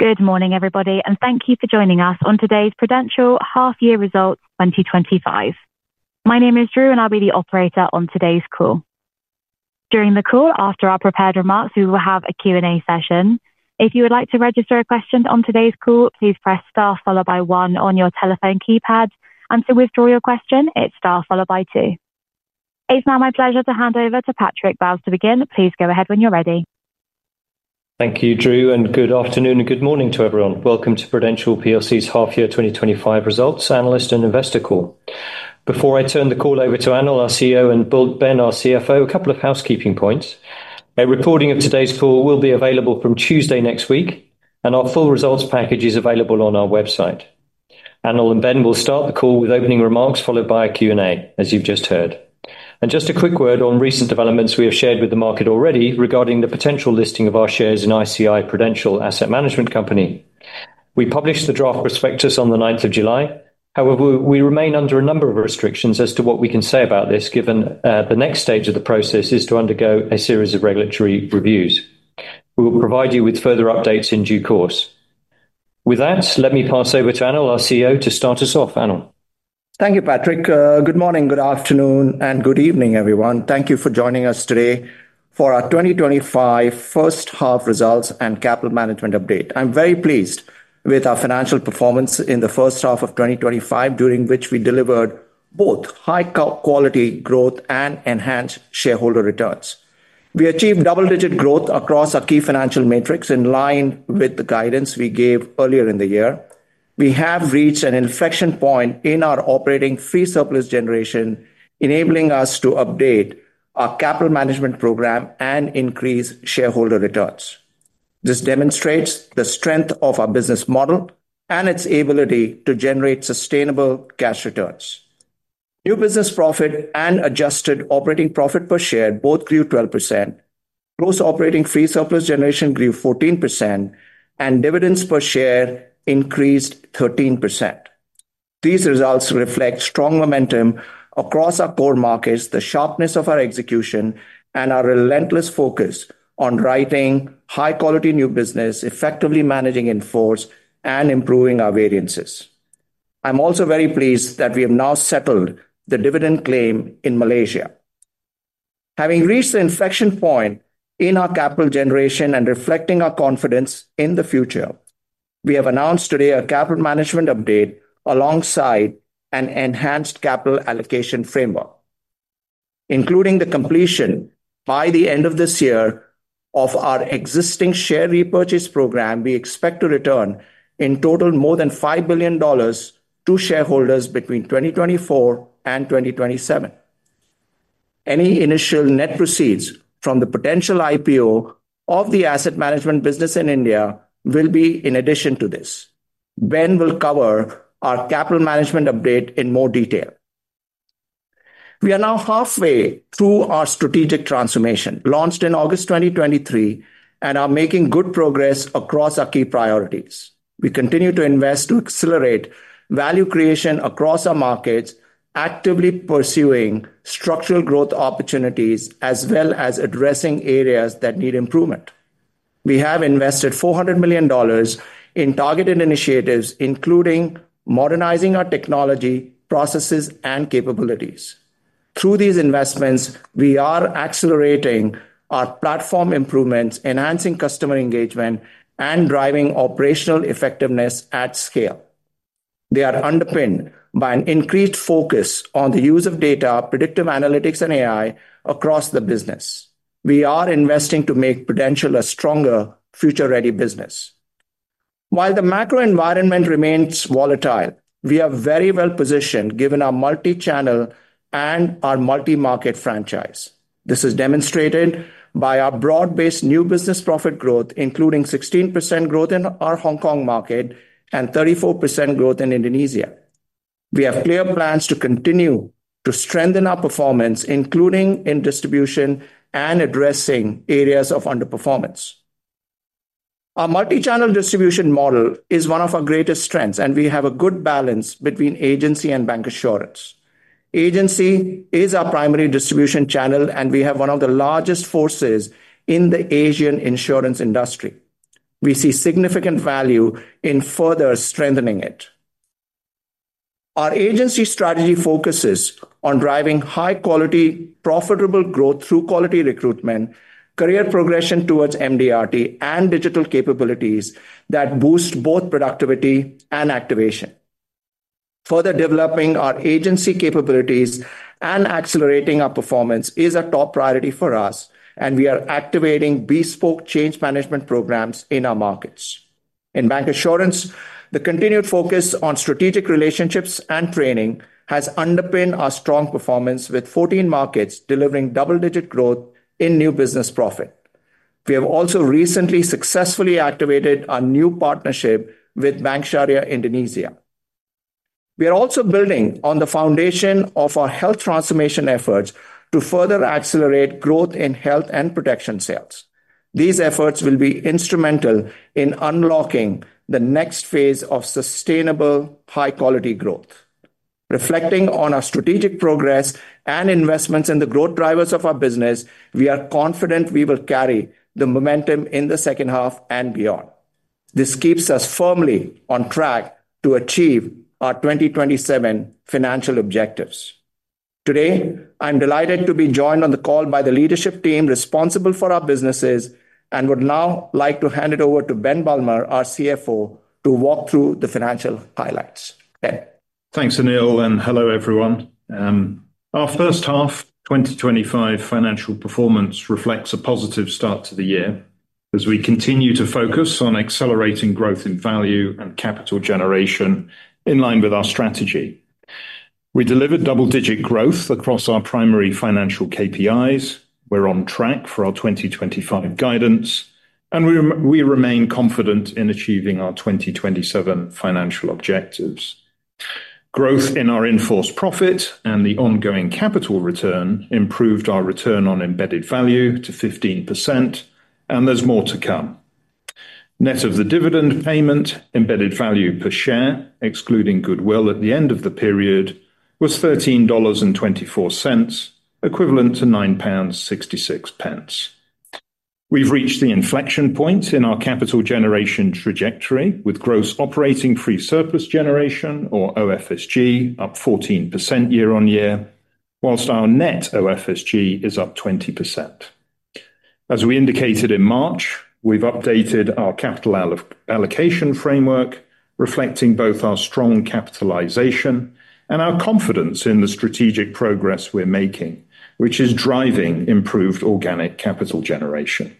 Good morning, everybody, and thank you for joining us on today's Prudential Half-Year Results 2025. My name is Drew, and I'll be the operator on today's call. During the call, after our prepared remarks, we will have a Q&A session. If you would like to register a question on today's call, please press star followed by one on your telephone keypad, and to withdraw your question, it's star followed by two. It's now my pleasure to hand over to Patrick Bowes to begin. Please go ahead when you're ready. Thank you, Drew, and good afternoon and good morning to everyone. Welcome to Prudential plc's Half-Year 2025 Results Analyst and Investor Call. Before I turn the call over to Anil, our CEO, and Ben, our CFO, a couple of housekeeping points. A recording of today's call will be available from Tuesday next week, and our full results package is available on our website. Anil and Ben will start the call with opening remarks followed by a Q&A, as you've just heard. A quick word on recent developments we have shared with the market already regarding the potential listing of our shares in ICICI Prudential Asset Management Company. We published the draft prospectus on the 9th of July. However, we remain under a number of restrictions as to what we can say about this, given the next stage of the process is to undergo a series of regulatory reviews. We will provide you with further updates in due course. With that, let me pass over to Anil, our CEO, to start us off. Anil. Thank you, Patrick. Good morning, good afternoon, and good evening, everyone. Thank you for joining us today for our 2025 first half results and capital management update. I'm very pleased with our financial performance in the first half of 2025, during which we delivered both high-quality growth and enhanced shareholder returns. We achieved double-digit growth across our key financial metrics in line with the guidance we gave earlier in the year. We have reached an inflection point in our operating free surplus generation, enabling us to update our capital management program and increase shareholder returns. This demonstrates the strength of our business model and its ability to generate sustainable cash returns. New business profit and adjusted operating profit per share both grew 12%, gross operating free surplus generation grew 14%, and dividends per share increased 13%. These results reflect strong momentum across our core markets, the sharpness of our execution, and our relentless focus on writing high-quality new business, effectively managing in-force, and improving our variances. I'm also very pleased that we have now settled the dividend claim in Malaysia. Having reached the inflection point in our capital generation and reflecting our confidence in the future, we have announced today our capital management update alongside an enhanced capital allocation framework. Including the completion by the end of this year of our existing share repurchase program, we expect to return in total more than $5 billion to shareholders between 2024 and 2027. Any initial net proceeds from the potential IPO of the asset management business in India will be in addition to this. Ben will cover our capital management update in more detail. We are now halfway through our strategic transformation, launched in August 2023, and are making good progress across our key priorities. We continue to invest to accelerate value creation across our markets, actively pursuing structural growth opportunities as well as addressing areas that need improvement. We have invested $400 million in targeted initiatives, including modernizing our technology, processes, and capabilities. Through these investments, we are accelerating our platform improvements, enhancing customer engagement, and driving operational effectiveness at scale. They are underpinned by an increased focus on the use of data, predictive analytics, and AI across the business. We are investing to make Prudential a stronger, future-ready business. While the macro environment remains volatile, we are very well positioned given our multi-channel and our multi-market franchise. This is demonstrated by our broad-based new business profit growth, including 16% growth in our Hong Kong market and 34% growth in Indonesia. We have clear plans to continue to strengthen our performance, including in distribution and addressing areas of underperformance. Our multi-channel distribution model is one of our greatest strengths, and we have a good balance between agency and bancassurance. Agency is our primary distribution channel, and we have one of the largest forces in the Asian insurance industry. We see significant value in further strengthening it. Our agency strategy focuses on driving high-quality, profitable growth through quality recruitment, career progression towards MDRT, and digital capabilities that boost both productivity and activation. Further developing our agency capabilities and accelerating our performance is a top priority for us, and we are activating bespoke change management programs in our markets. In bancassurance, the continued focus on strategic relationships and training has underpinned our strong performance with 14 markets delivering double-digit growth in new business profit. We have also recently successfully activated our new partnership with Bank Syariah Indonesia. We are also building on the foundation of our health transformation efforts to further accelerate growth in health and protection sales. These efforts will be instrumental in unlocking the next phase of sustainable, high-quality growth. Reflecting on our strategic progress and investments in the growth drivers of our business, we are confident we will carry the momentum in the second half and beyond. This keeps us firmly on track to achieve our 2027 financial objectives. Today, I'm delighted to be joined on the call by the leadership team responsible for our businesses and would now like to hand it over to Ben Bulmer, our CFO, to walk through the financial highlights. Ben. Thanks, Anil, and hello, everyone. Our first half 2025 financial performance reflects a positive start to the year as we continue to focus on accelerating growth in value and capital generation in line with our strategy. We delivered double-digit growth across our primary financial KPIs. We're on track for our 2025 guidance, and we remain confident in achieving our 2027 financial objectives. Growth in our in-force profit and the ongoing capital return improved our return on embedded value to 15%, and there's more to come. Net of the dividend payment, embedded value per share, excluding goodwill at the end of the period, was $13.24, equivalent to £9.66. We've reached the inflection points in our capital generation trajectory, with gross operating free surplus generation, or OFSG, up 14% year-on-year, whilst our net OFSG is up 20%. As we indicated in March, we've updated our capital allocation framework, reflecting both our strong capitalization and our confidence in the strategic progress we're making, which is driving improved organic capital generation.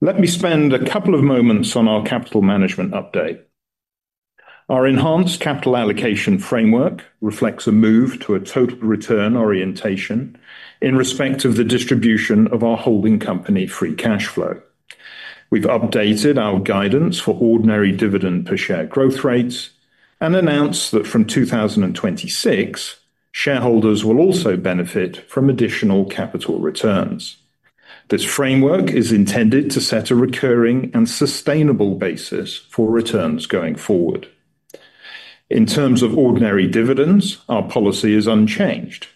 Let me spend a couple of moments on our capital management update. Our enhanced capital allocation framework reflects a move to a total return orientation in respect of the distribution of our holding company free cash flow. We've updated our guidance for ordinary dividend per share growth rates and announced that from 2026, shareholders will also benefit from additional capital returns. This framework is intended to set a recurring and sustainable basis for returns going forward. In terms of ordinary dividends, our policy is unchanged.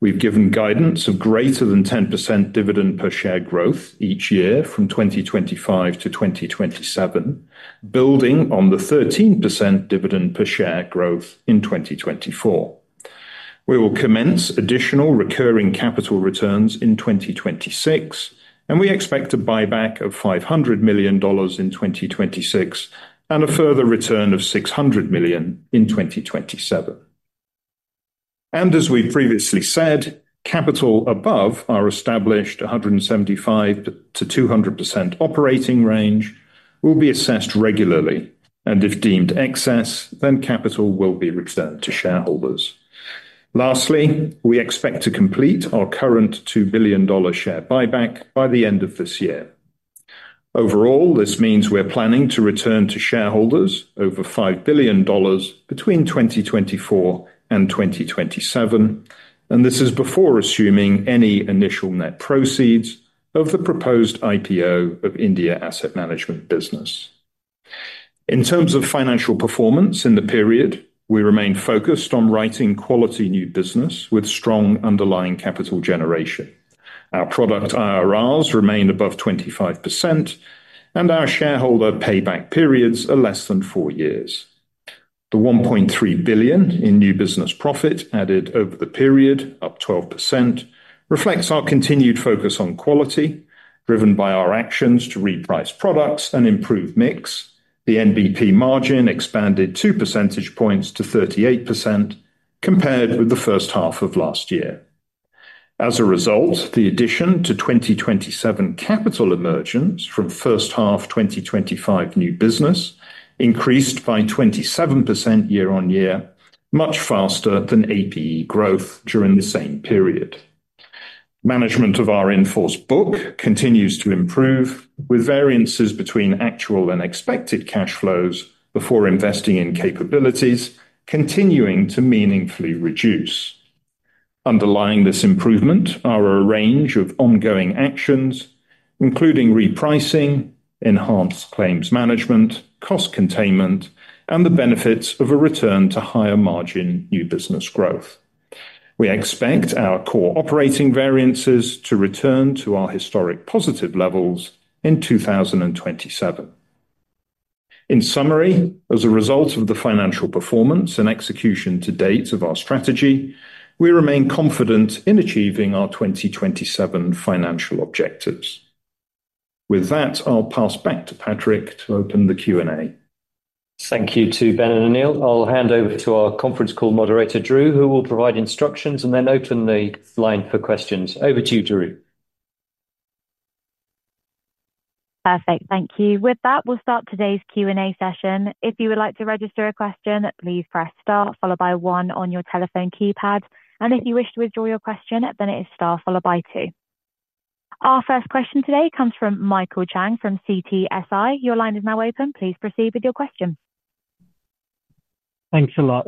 We've given guidance of greater than 10% dividend per share growth each year from 2025-2027, building on the 13% dividend per share growth in 2024. We will commence additional recurring capital returns in 2026, and we expect a buyback of $500 million in 2026 and a further return of $600 million in 2027. As we previously said, capital above our established 175%-200% operating range will be assessed regularly, and if deemed excess, then capital will be returned to shareholders. Lastly, we expect to complete our current $2 billion share buyback by the end of this year. Overall, this means we're planning to return to shareholders over $5 billion between 2024-2027, and this is before assuming any initial net proceeds of the proposed IPO of India Asset Management Business. In terms of financial performance in the period, we remain focused on writing quality new business with strong underlying capital generation. Our product IRRs remain above 25%, and our shareholder payback periods are less than four years. The $1.3 billion in new business profit added over the period, up 12%, reflects our continued focus on quality, driven by our actions to reprice products and improve mix. The NBP margin expanded two percentage points to 38% compared with the first half of last year. As a result, the addition to 2027 capital emergence from first half 2025 new business increased by 27% year on year, much faster than APE growth during the same period. Management of our in-force book continues to improve, with variances between actual and expected cash flows before investing in capabilities continuing to meaningfully reduce. Underlying this improvement are a range of ongoing actions, including repricing, enhanced claims management, cost containment, and the benefits of a return to higher margin new business growth. We expect our core operating variances to return to our historic positive levels in 2027. In summary, as a result of the financial performance and execution to date of our strategy, we remain confident in achieving our 2027 financial objectives. With that, I'll pass back to Patrick to open the Q&A. Thank you to Ben and Anil. I'll hand over to our Conference Call Moderator, Drew, who will provide instructions and then open the line for questions. Over to you, Drew. Perfect, thank you. With that, we'll start today's Q&A session. If you would like to register a question, please press star followed by one on your telephone keypad, and if you wish to withdraw your question, then it is star followed by two. Our first question today comes from Michael Chang from CGSI. Your line is now open. Please proceed with your question. Thanks a lot.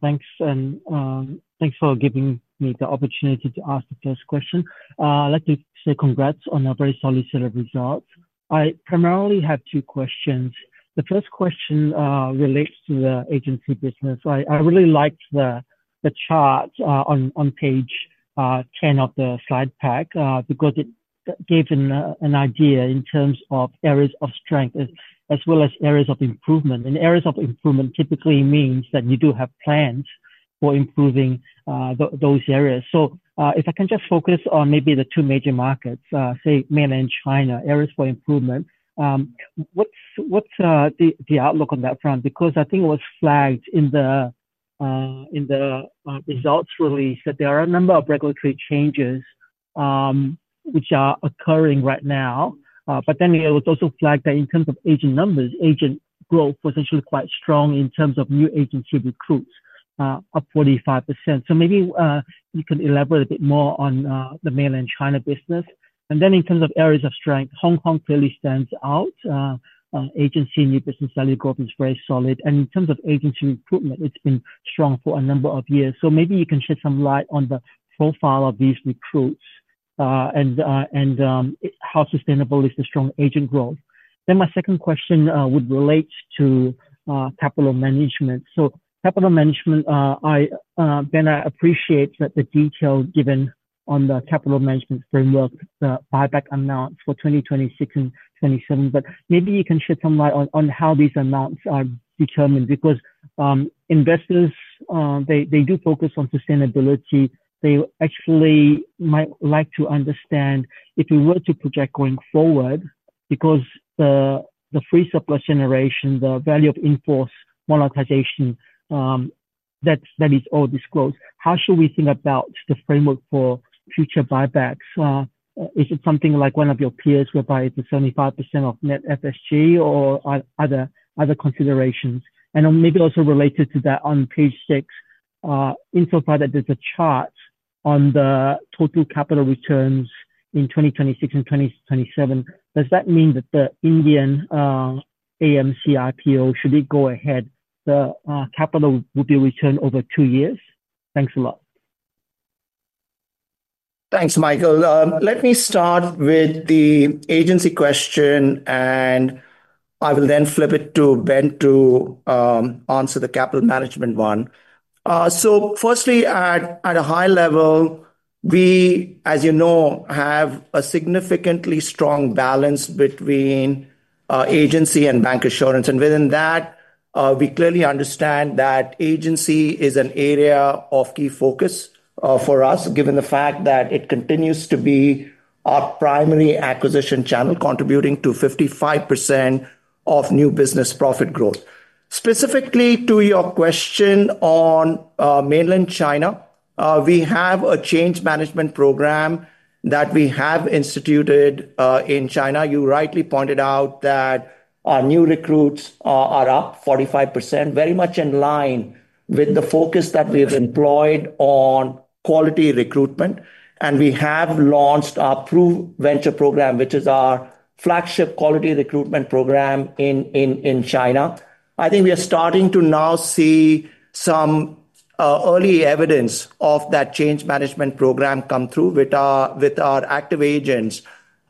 Thanks and thanks for giving me the opportunity to ask the first question. Let me say congrats on a very solid set of results. I primarily have two questions. The first question relates to the agency business. I really liked the chart on page 10 of the slide pack because it gave an idea in terms of areas of strength as well as areas of improvement. Areas of improvement typically mean that you do have plans for improving those areas. If I can just focus on maybe the two major markets, say, mainland China, areas for improvement, what's the outlook on that front? I think it was flagged in the results release that there are a number of regulatory changes which are occurring right now. It was also flagged that in terms of agent numbers, agent growth was actually quite strong in terms of new agency recruits, up 45%. Maybe you can elaborate a bit more on the mainland China business. In terms of areas of strength, Hong Kong clearly stands out. Agency new business value growth is very solid. In terms of agency recruitment, it's been strong for a number of years. Maybe you can shed some light on the profile of these recruits and how sustainable is the strong agent growth. My second question would relate to capital management. Capital management, Ben, I appreciate the detail given on the capital management framework, the buyback amounts for 2026 and 2027, but maybe you can shed some light on how these amounts are determined because investors, they do focus on sustainability. They actually might like to understand if we were to project going forward because the free surplus generation, the value of in-force monetization, that is all disclosed. How should we think about the framework for future buybacks? Is it something like one of your peers will buy the 75% of net FSG or are there other considerations? Maybe also related to that, on page six, it's so far that there's a chart on the total capital returns in 2026 and 2027. Does that mean that the India AMC IPO, should it go ahead, the capital will be returned over two years? Thanks a lot. Thanks, Michael. Let me start with the agency question, and I will then flip it to Ben to answer the capital management one. Firstly, at a high level, we, as you know, have a significantly strong balance between agency and bancassurance. Within that, we clearly understand that agency is an area of key focus for us, given the fact that it continues to be our primary acquisition channel, contributing to 55% of new business profit growth. Specifically to your question on mainland China, we have a change management program that we have instituted in China. You rightly pointed out that our new recruits are up 45%, very much in line with the focus that we have employed on quality recruitment. We have launched our PRUVenture program, which is our flagship quality recruitment program in China. I think we are starting to now see some early evidence of that change management program come through with our active agents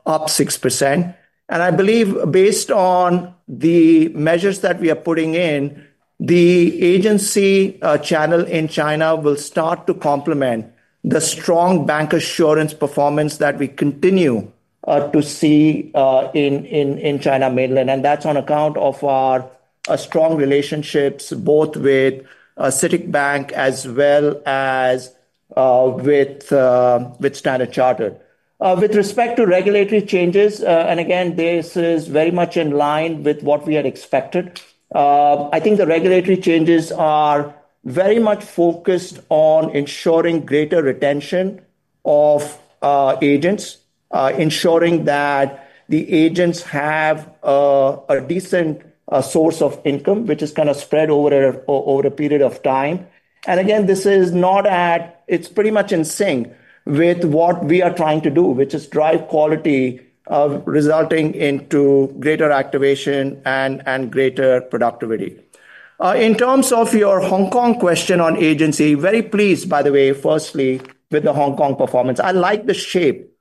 up 6%. I believe, based on the measures that we are putting in, the agency channel in China will start to complement the strong bancassurance performance that we continue to see in mainland China. That is on account of our strong relationships both with CITIC Bank as well as with Standard Chartered. With respect to regulatory changes, and again, this is very much in line with what we had expected, I think the regulatory changes are very much focused on ensuring greater retention of agents, ensuring that the agents have a decent source of income, which is kind of spread over a period of time. This is pretty much in sync with what we are trying to do, which is drive quality, resulting into greater activation and greater productivity. In terms of your Hong Kong question on agency, very pleased, by the way, firstly, with the Hong Kong performance. I like the shape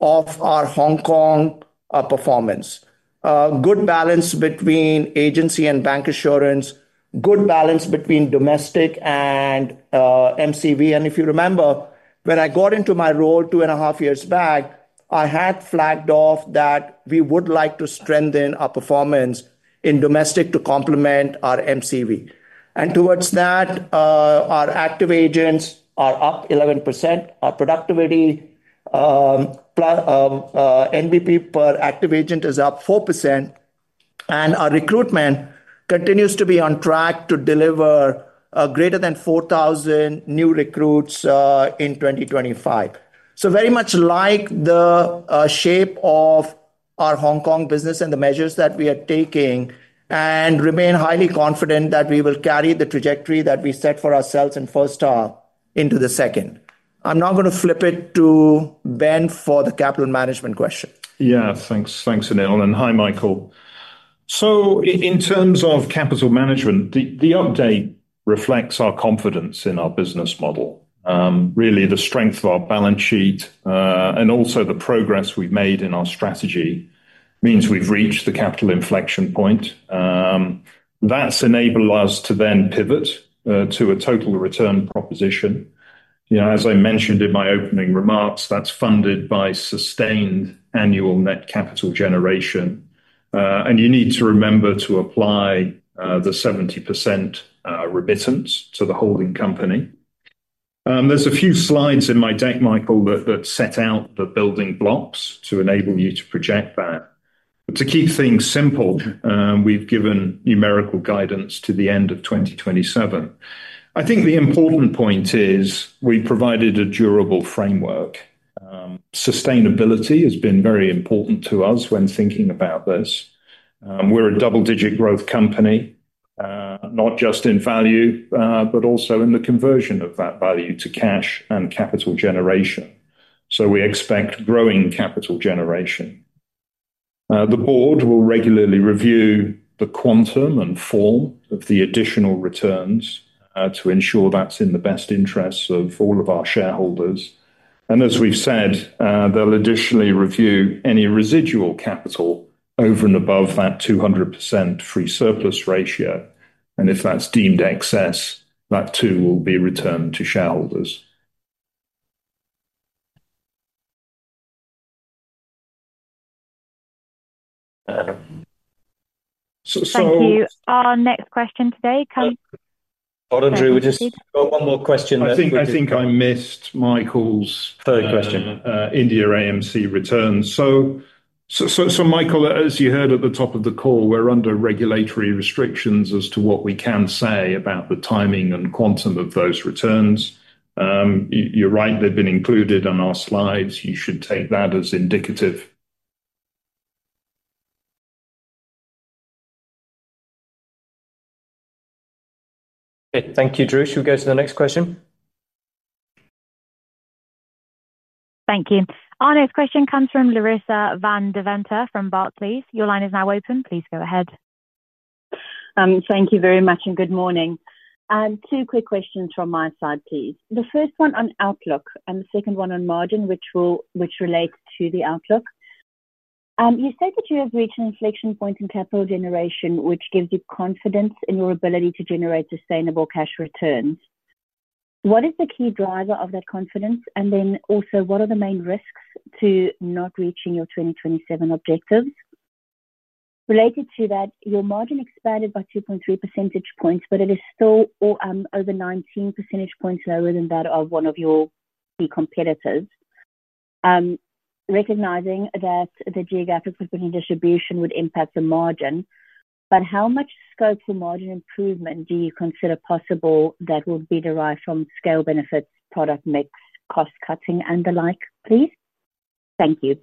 of our Hong Kong performance. Good balance between agency and bancassurance, good balance between domestic and MCV. If you remember, when I got into my role two and a half years back, I had flagged off that we would like to strengthen our performance in domestic to complement our MCV. Towards that, our active agents are up 11%, our productivity plus NVP per active agent is up 4%, and our recruitment continues to be on track to deliver greater than 4,000 new recruits in 2025. I very much like the shape of our Hong Kong business and the measures that we are taking, and remain highly confident that we will carry the trajectory that we set for ourselves in first half into the second. I'm now going to flip it to Ben for the capital management question. Yeah, thanks, thanks, Anil. And hi, Michael. In terms of capital management, the update reflects our confidence in our business model. Really, the strength of our balance sheet and also the progress we've made in our strategy means we've reached the capital inflection point. That's enabled us to then pivot to a total return proposition. You know, as I mentioned in my opening remarks, that's funded by sustained annual net capital generation. You need to remember to apply the 70% remittance to the holding company. There are a few slides in my deck, Michael, that set out the building blocks to enable you to project that. To keep things simple, we've given numerical guidance to the end of 2027. The important point is we provided a durable framework. Sustainability has been very important to us when thinking about this. We're a double-digit growth company, not just in value, but also in the conversion of that value to cash and capital generation. We expect growing capital generation. The board will regularly review the quantum and form of the additional returns to ensure that's in the best interests of all of our shareholders. As we've said, they'll additionally review any residual capital over and above that 200% free surplus ratio. If that's deemed excess, that too will be returned to shareholders. Thank you. Our next question today comes. Hold on, Drew. We just got one more question. I think I missed Michael's third question, India AMC returns. Michael, as you heard at the top of the call, we're under regulatory restrictions as to what we can say about the timing and quantum of those returns. You're right, they've been included on our slides. You should take that as indicative. Thank you, Drew. Shall we go to the next question? Thank you. Our next question comes from Larissa van Deventer from Barclays. Your line is now open. Please go ahead. Thank you very much and good morning. Two quick questions from my side, please. The first one on outlook and the second one on margin, which relates to the outlook. You said that you have reached an inflection point in capital generation, which gives you confidence in your ability to generate sustainable cash returns. What is the key driver of that confidence? What are the main risks to not reaching your 2027 objectives? Related to that, your margin expanded by 2.3 percentage points, but it is still over 19 percentage points lower than that of one of your key competitors. Recognizing that the geographic distribution would impact the margin, how much scope for margin improvement do you consider possible that would be derived from scale benefits, product mix, cost cutting, and the like, please? Thank you.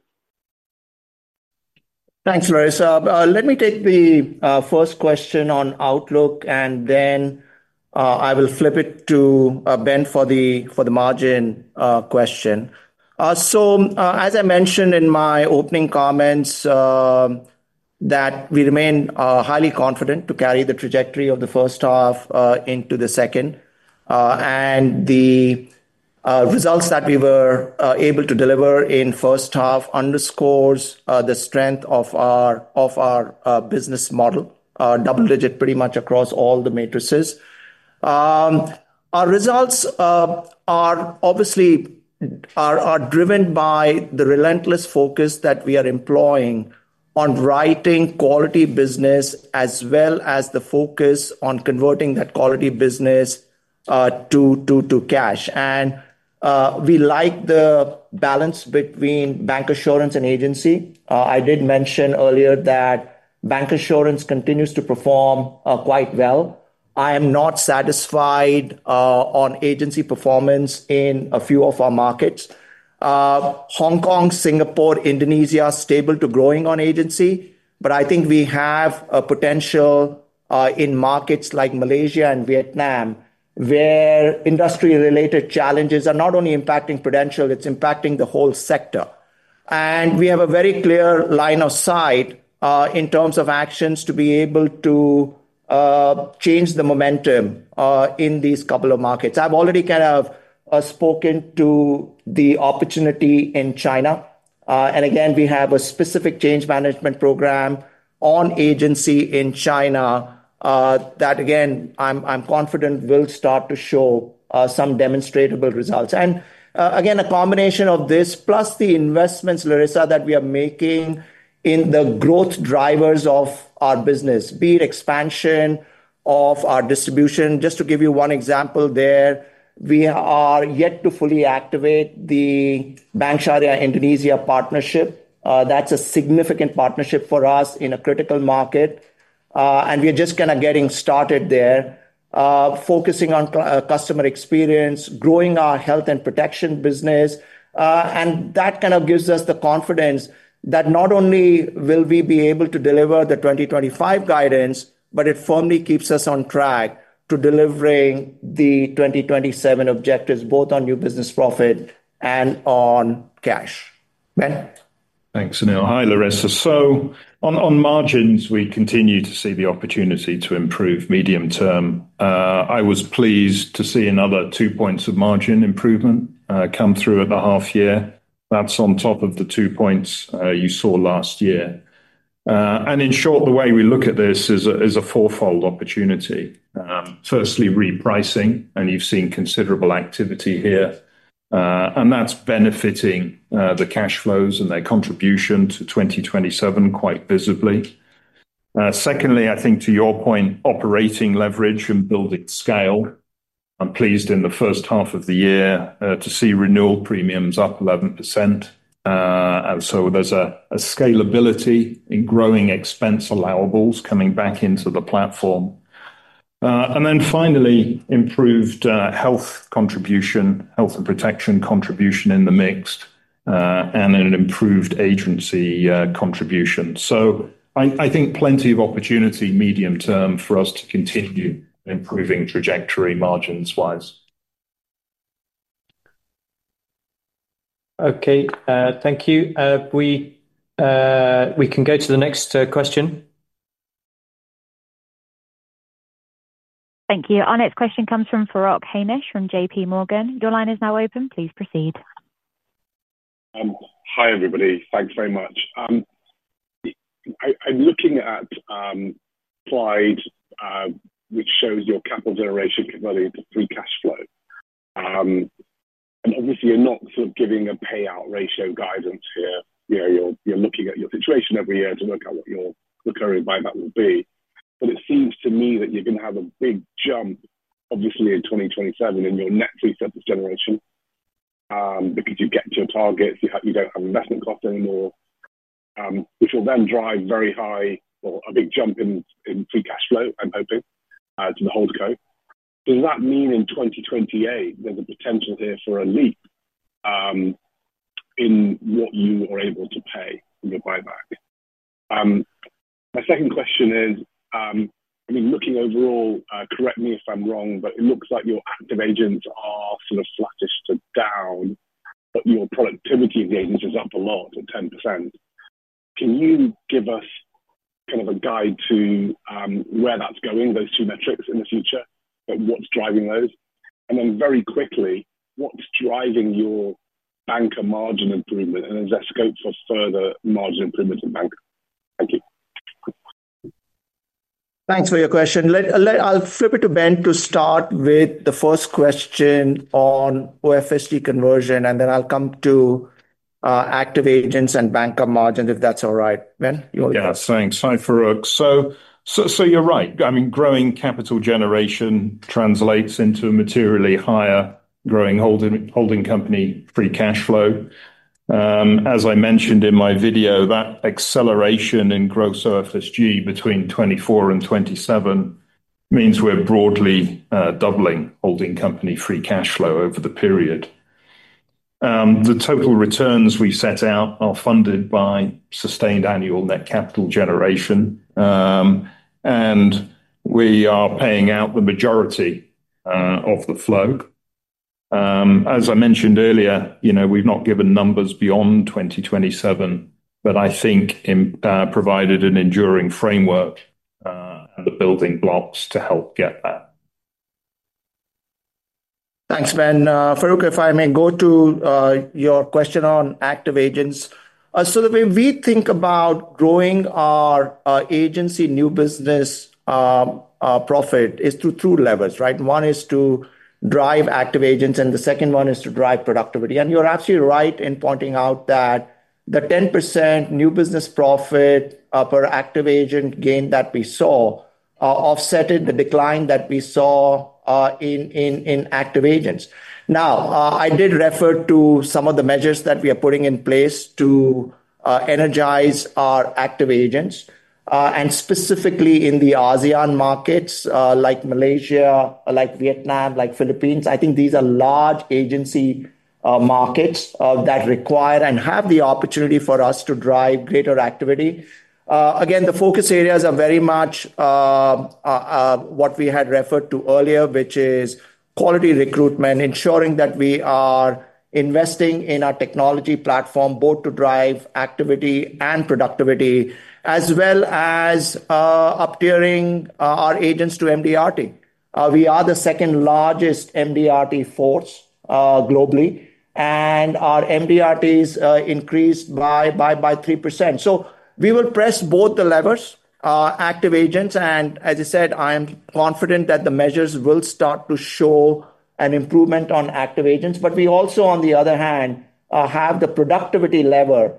Thanks, Larissa. Let me take the first question on outlook, and then I will flip it to Ben for the margin question. As I mentioned in my opening comments, we remain highly confident to carry the trajectory of the first half into the second. The results that we were able to deliver in the first half underscore the strength of our business model, double-digit pretty much across all the matrices. Our results are obviously driven by the relentless focus that we are employing on writing quality business as well as the focus on converting that quality business to cash. We like the balance between bancassurance and agency. I did mention earlier that bancassurance continues to perform quite well. I am not satisfied on agency performance in a few of our markets. Hong Kong, Singapore, Indonesia are stable to growing on agency, but I think we have a potential in markets like Malaysia and Vietnam where industry-related challenges are not only impacting Prudential, it's impacting the whole sector. We have a very clear line of sight in terms of actions to be able to change the momentum in these couple of markets. I've already spoken to the opportunity in China. We have a specific change management program on agency in China that, again, I'm confident will start to show some demonstrable results. A combination of this plus the investments, Larissa, that we are making in the growth drivers of our business, be it expansion of our distribution. Just to give you one example there, we are yet to fully activate the Bank Syariah Indonesia partnership. That's a significant partnership for us in a critical market. We're just getting started there, focusing on customer experience, growing our health and protection business. That gives us the confidence that not only will we be able to deliver the 2025 guidance, but it firmly keeps us on track to delivering the 2027 objectives both on new business profit and on cash. Ben. Thanks, Anil. Hi, Larissa. On margins, we continue to see the opportunity to improve medium term. I was pleased to see another 2 points of margin improvement come through at the half year. That's on top of the 2 points you saw last year. In short, the way we look at this is a four-fold opportunity. Firstly, repricing, and you've seen considerable activity here. That's benefiting the cash flows and their contribution to 2027 quite visibly. Secondly, I think to your point, operating leverage and building scale. I'm pleased in the first half of the year to see renewal premiums up 11%. There's a scalability in growing expense allowables coming back into the platform. Finally, improved health contribution, health and protection contribution in the mix, and an improved agency contribution. I think plenty of opportunity medium term for us to continue improving trajectory margins-wise. Okay, thank you. We can go to the next question. Thank you. Our next question comes from Farooq Hanif from JPMorgan. Your line is now open. Please proceed. Hi, everybody. Thanks very much. I'm looking at the slide which showed your capital generation converted to free cash flow. Obviously, you're not sort of giving a payout ratio guidance here. You know you're looking at your situation every year to work out what your recurring buyback will be. It seems to me that you're going to have a big jump, obviously, in 2027 in your net free surplus generation. If you get to your target, you don't have investment costs anymore. You shall then drive very high or a big jump in free cash flow, I'm hoping, to the holding co. Does that mean in 2028 there's a potential here for a leap in what you are able to pay in your buyback? My second question is, I mean, looking overall, correct me if I'm wrong, but it looks like your active agents are sort of flat to down, but your productivity of the agents is up a lot at 10%. Can you give us kind of a guide to where that's going, those two metrics in the future, and what's driving those? Very quickly, what's driving your banker margin improvement and investment for further margin? Thanks for your question. I'll flip it to Ben to start with the first question on OFSG conversion, and then I'll come to active agents and banker margins if that's all right. Ben? Yeah, thanks. Hi, Farooq. You're right. I mean, growing capital generation translates into a materially higher growing holding company free cash flow. As I mentioned in my video, that acceleration in growth of OFSG between 2024-2027 means we're broadly doubling holding company free cash flow over the period. The total returns we set out are funded by sustained annual net capital generation, and we are paying out the majority of the flow. As I mentioned earlier, you know we've not given numbers beyond 2027, but I think we've provided an enduring framework and the building blocks to help get that. Thanks, Ben. Farooq, if I may go to your question on active agents. The way we think about growing our agency new business profit is through two levels, right? One is to drive active agents, and the second one is to drive productivity. You're absolutely right in pointing out that the 10% new business profit per active agent gain that we saw offset the decline that we saw in active agents. I did refer to some of the measures that we are putting in place to energize our active agents, and specifically in the ASEAN markets like Malaysia, Vietnam, and Philippines. I think these are large agency markets that require and have the opportunity for us to drive greater activity. The focus areas are very much what we had referred to earlier, which is quality recruitment, ensuring that we are investing in our technology platform both to drive activity and productivity, as well as up-tiering our agents to MDRT. We are the second largest MDRT-qualified force globally, and our MDRTs increased by 3%. We will press both the levers, active agents, and as I said, I am confident that the measures will start to show an improvement on active agents. We also, on the other hand, have the productivity lever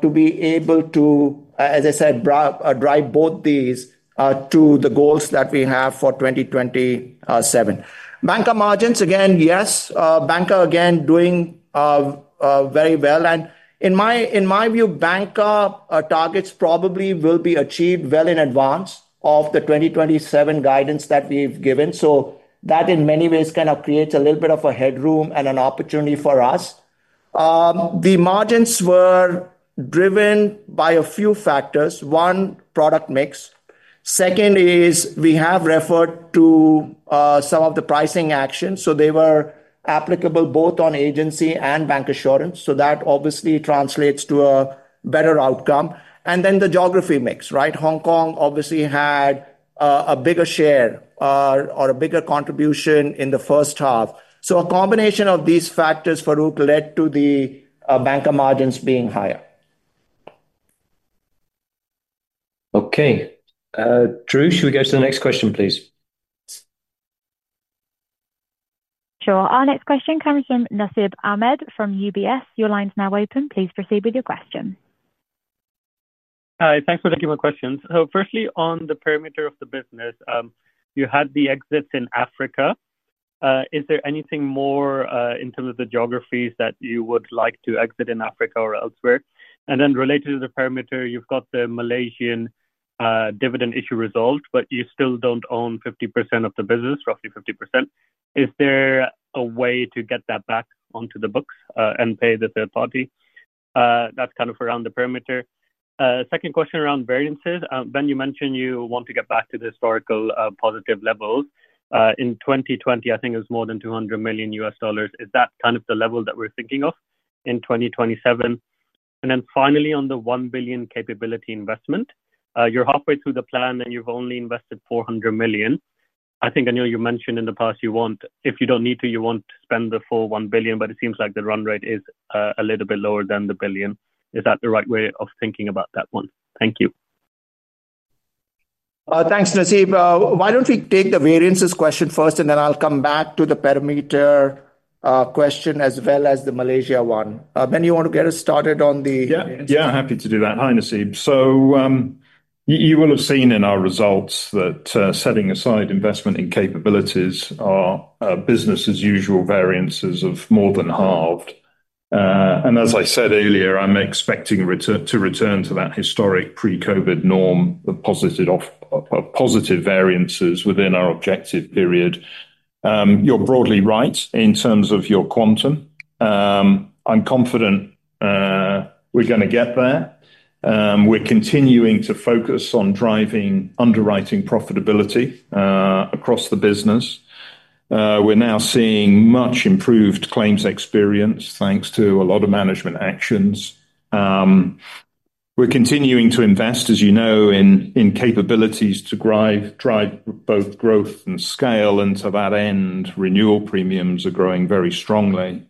to be able to, as I said, drive both these to the goals that we have for 2027. Banker margins, again, yes, banker again doing very well. In my view, banker targets probably will be achieved well in advance of the 2027 guidance that we've given. That in many ways kind of creates a little bit of a headroom and an opportunity for us. The margins were driven by a few factors. One, product mix. Second is we have referred to some of the pricing actions. They were applicable both on agency and bancassurance. That obviously translates to a better outcome. Then the geography mix, right? Hong Kong obviously had a bigger share or a bigger contribution in the first half. A combination of these factors, Farooq, led to the banker margins being higher. Drew, should we go to the next question, please? Sure. Our next question comes from Nasib Ahmed from UBS. Your line is now open. Please proceed with your question. Hi, thanks for taking my questions. Firstly, on the perimeter of the business, you had the exits in Africa. Is there anything more in terms of the geographies that you would like to exit in Africa or elsewhere? Related to the perimeter, you've got the Malaysian dividend issue resolved, but you still don't own 50% of the business, roughly 50%. Is there a way to get that back onto the books and pay the third party? That's kind of around the perimeter. Second question around variances. Ben, you mentioned you want to get back to the historical positive levels. In 2020, I think it was more than $200 million. Is that kind of the level that we're thinking of in 2027? Finally, on the $1 billion capability investment, you're halfway through the plan and you've only invested $400 million. I think, Anil, you mentioned in the past you want, if you don't need to, you won't spend the full $1 billion, but it seems like the run rate is a little bit lower than the billion. Is that the right way of thinking about that one? Thank you. Thanks, Nasib. Why don't we take the variances question first, and then I'll come back to the perimeter question as well as the Malaysia one? Ben, you want to get us started on the... Yeah, happy to do that. Hi, Nasib. You will have seen in our results that, setting aside investment in capabilities, our business as usual variances have more than halved. As I said earlier, I'm expecting to return to that historic pre-COVID norm, the positive variances within our objective period. You're broadly right in terms of your quantum. I'm confident we're going to get there. We're continuing to focus on driving underwriting profitability across the business. We're now seeing much improved claims experience thanks to a lot of management actions. We're continuing to invest, as you know, in capabilities to drive both growth and scale. To that end, renewal premiums are growing very strongly.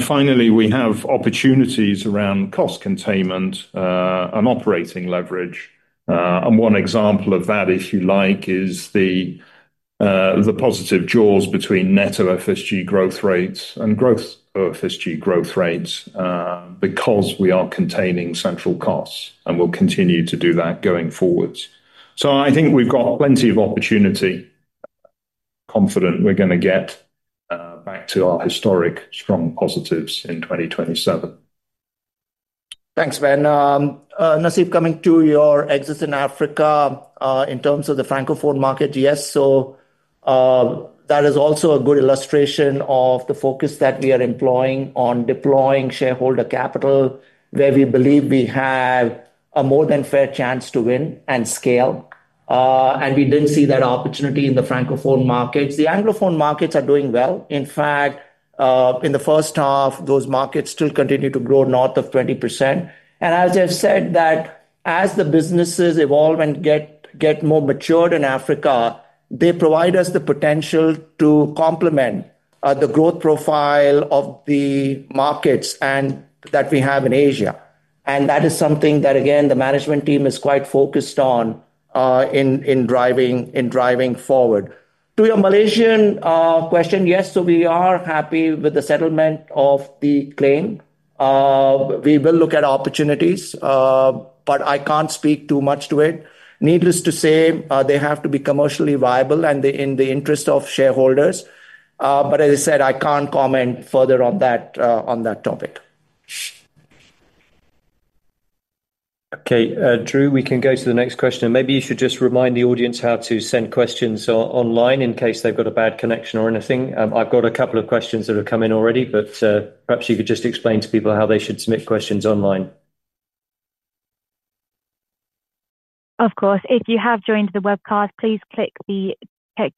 Finally, we have opportunities around cost containment and operating leverage. One example of that, if you like, is the positive draws between net OFSG growth rates and growth OFSG growth rates because we are containing central costs and will continue to do that going forward. I think we've got plenty of opportunity, confident we're going to get back to our historic strong positives in 2027. Thanks, Ben. Nasib, coming to your exits in Africa, in terms of the Francophone market, yes. That is also a good illustration of the focus that we are employing on deploying shareholder capital where we believe we have a more than fair chance to win and scale. We didn't see that opportunity in the Francophone markets. The Anglophone markets are doing well. In fact, in the first half, those markets still continue to grow north of 20%. As I said, as the businesses evolve and get more matured in Africa, they provide us the potential to complement the growth profile of the markets that we have in Asia. That is something that, again, the management team is quite focused on in driving forward. To your Malaysian question, yes, we are happy with the settlement of the claim. We will look at opportunities, but I can't speak too much to it. Needless to say, they have to be commercially viable and in the interest of shareholders. As I said, I can't comment further on that topic. Okay. Drew, we can go to the next question. Maybe you should just remind the audience how to send questions online in case they've got a bad connection or anything. I've got a couple of questions that have come in already, but perhaps you could just explain to people how they should submit questions online. Of course. If you have joined the webcast, please click the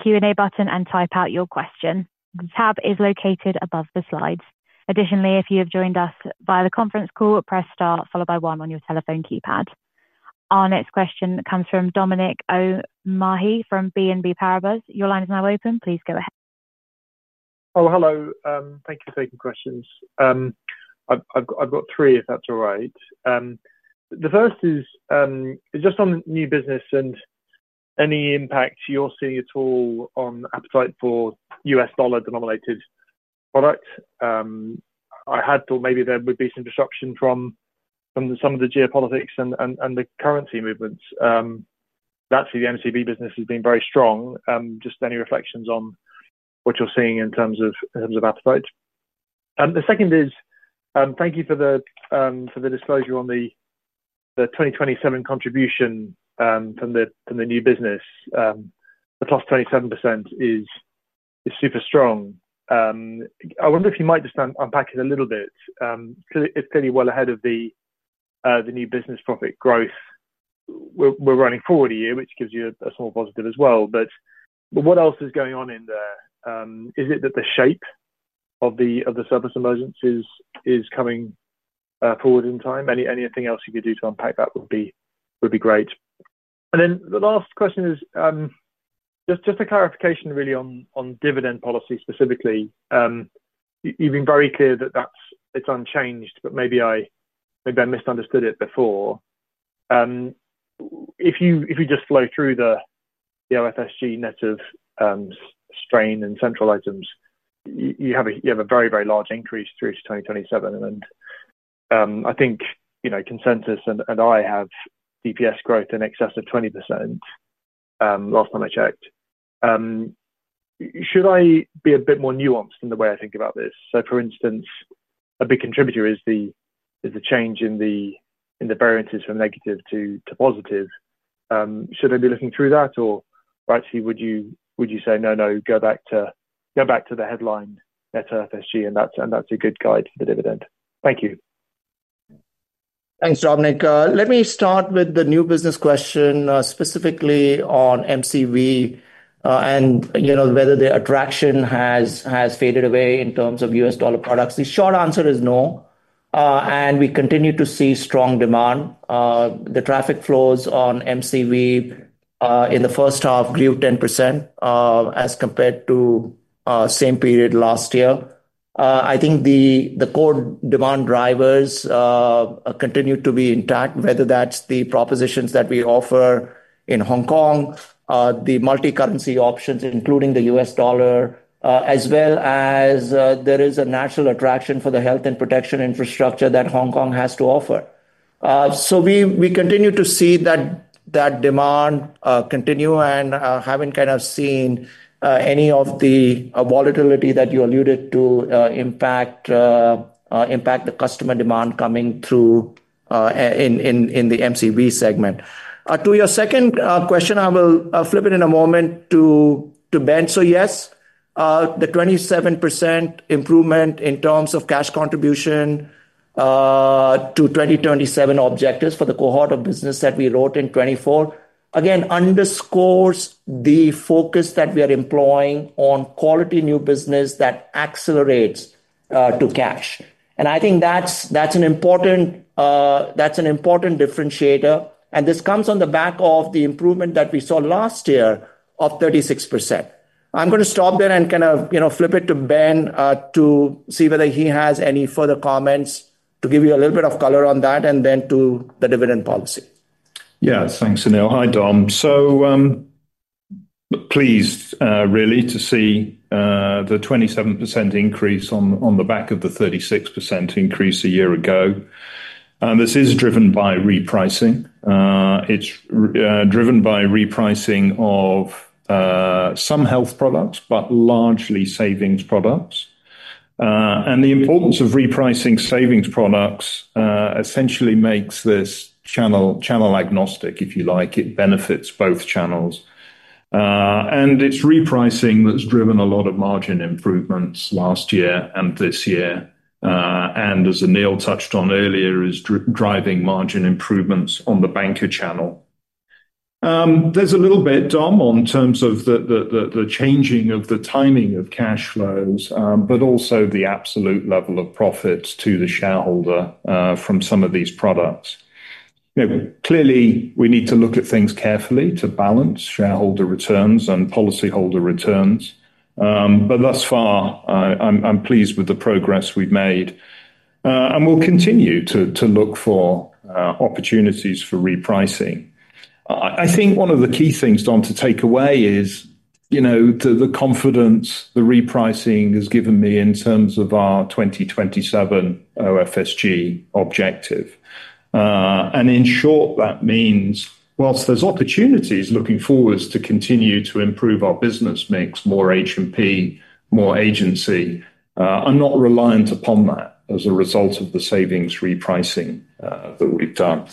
Q&A button and type out your question. The tab is located above the slides. Additionally, if you have joined us via the conference call, press star followed by one on your telephone keypad. Our next question comes from Dominic O'Mahony from BNP Paribas. Your line is now open. Please go ahead. Oh, hello. Thank you for taking questions. I've got three, if that's all right. The first is just on new business and any impact you're seeing at all on the appetite for U.S. dollar-denominated products. I had thought maybe there would be some disruption from some of the geopolitics and the currency movements. Lastly, the MCB business has been very strong. Just any reflections on what you're seeing in terms of appetite? The second is, thank you for the disclosure on the 2027 contribution from the new business. The top 27% is super strong. I wonder if you might just unpack it a little bit. It's clearly well ahead of the new business profit growth. We're running forward a year, which gives you a small positive as well. What else is going on in there? Is it that the shape of the surplus emergence is coming forward in time? Anything else you could do to unpack that would be great. The last question is just a clarification really on dividend policy specifically. You've been very clear that it's unchanged, but maybe I misunderstood it before. If you just flow through the OFSG net of strain and central items, you have a very, very large increase through to 2027. I think, you know, consensus and I have EPS growth in excess of 20% last time I checked. Should I be a bit more nuanced in the way I think about this? For instance, a big contributor is the change in the variances from negative to positive. Should I be looking through that or actually would you say, no, no, go back to the headline net OFSG and that's a good guide for the dividend? Thank you. Thanks, Dominic. Let me start with the new business question, specifically on MCV and whether the attraction has faded away in terms of U.S. dollar products. The short answer is no. We continue to see strong demand. The traffic flows on MCV in the first half grew 10% as compared to the same period last year. I think the core demand drivers continue to be intact, whether that's the propositions that we offer in Hong Kong, the multi-currency options, including the U.S. dollar, as well as there is a national attraction for the health and protection infrastructure that Hong Kong has to offer. We continue to see that demand continue and haven't kind of seen any of the volatility that you alluded to impact the customer demand coming through in the MCV segment. To your second question, I will flip it in a moment to Ben. Yes, the 27% improvement in terms of cash contribution to 2027 objectives for the cohort of business that we wrote in 2024 again underscores the focus that we are employing on quality new business that accelerates to cash. I think that's an important differentiator. This comes on the back of the improvement that we saw last year of 36%. I'm going to stop there and kind of flip it to Ben to see whether he has any further comments to give you a little bit of color on that and then to the dividend policy. Yes, thanks, Anil. Hi, Dom. Really pleased to see the 27% increase on the back of the 36% increase a year ago. This is driven by repricing. It's driven by repricing of some health products, but largely savings products. The importance of repricing savings products essentially makes this channel channel agnostic, if you like. It benefits both channels. It's repricing that's driven a lot of margin improvements last year and this year. As Anil touched on earlier, it's driving margin improvements on the bancassurance channel. There's a little bit, Dom, in terms of the changing of the timing of cash flows, but also the absolute level of profits to the shareholder from some of these products. Clearly, we need to look at things carefully to balance shareholder returns and policyholder returns. Thus far, I'm pleased with the progress we've made. We'll continue to look for opportunities for repricing. I think one of the key things, Dom, to take away is the confidence the repricing has given me in terms of our 2027 OFSG objective. In short, that means whilst there's opportunities looking forward to continue to improve our business mix, more H&P, more agency, I'm not reliant upon that as a result of the savings repricing that we've done.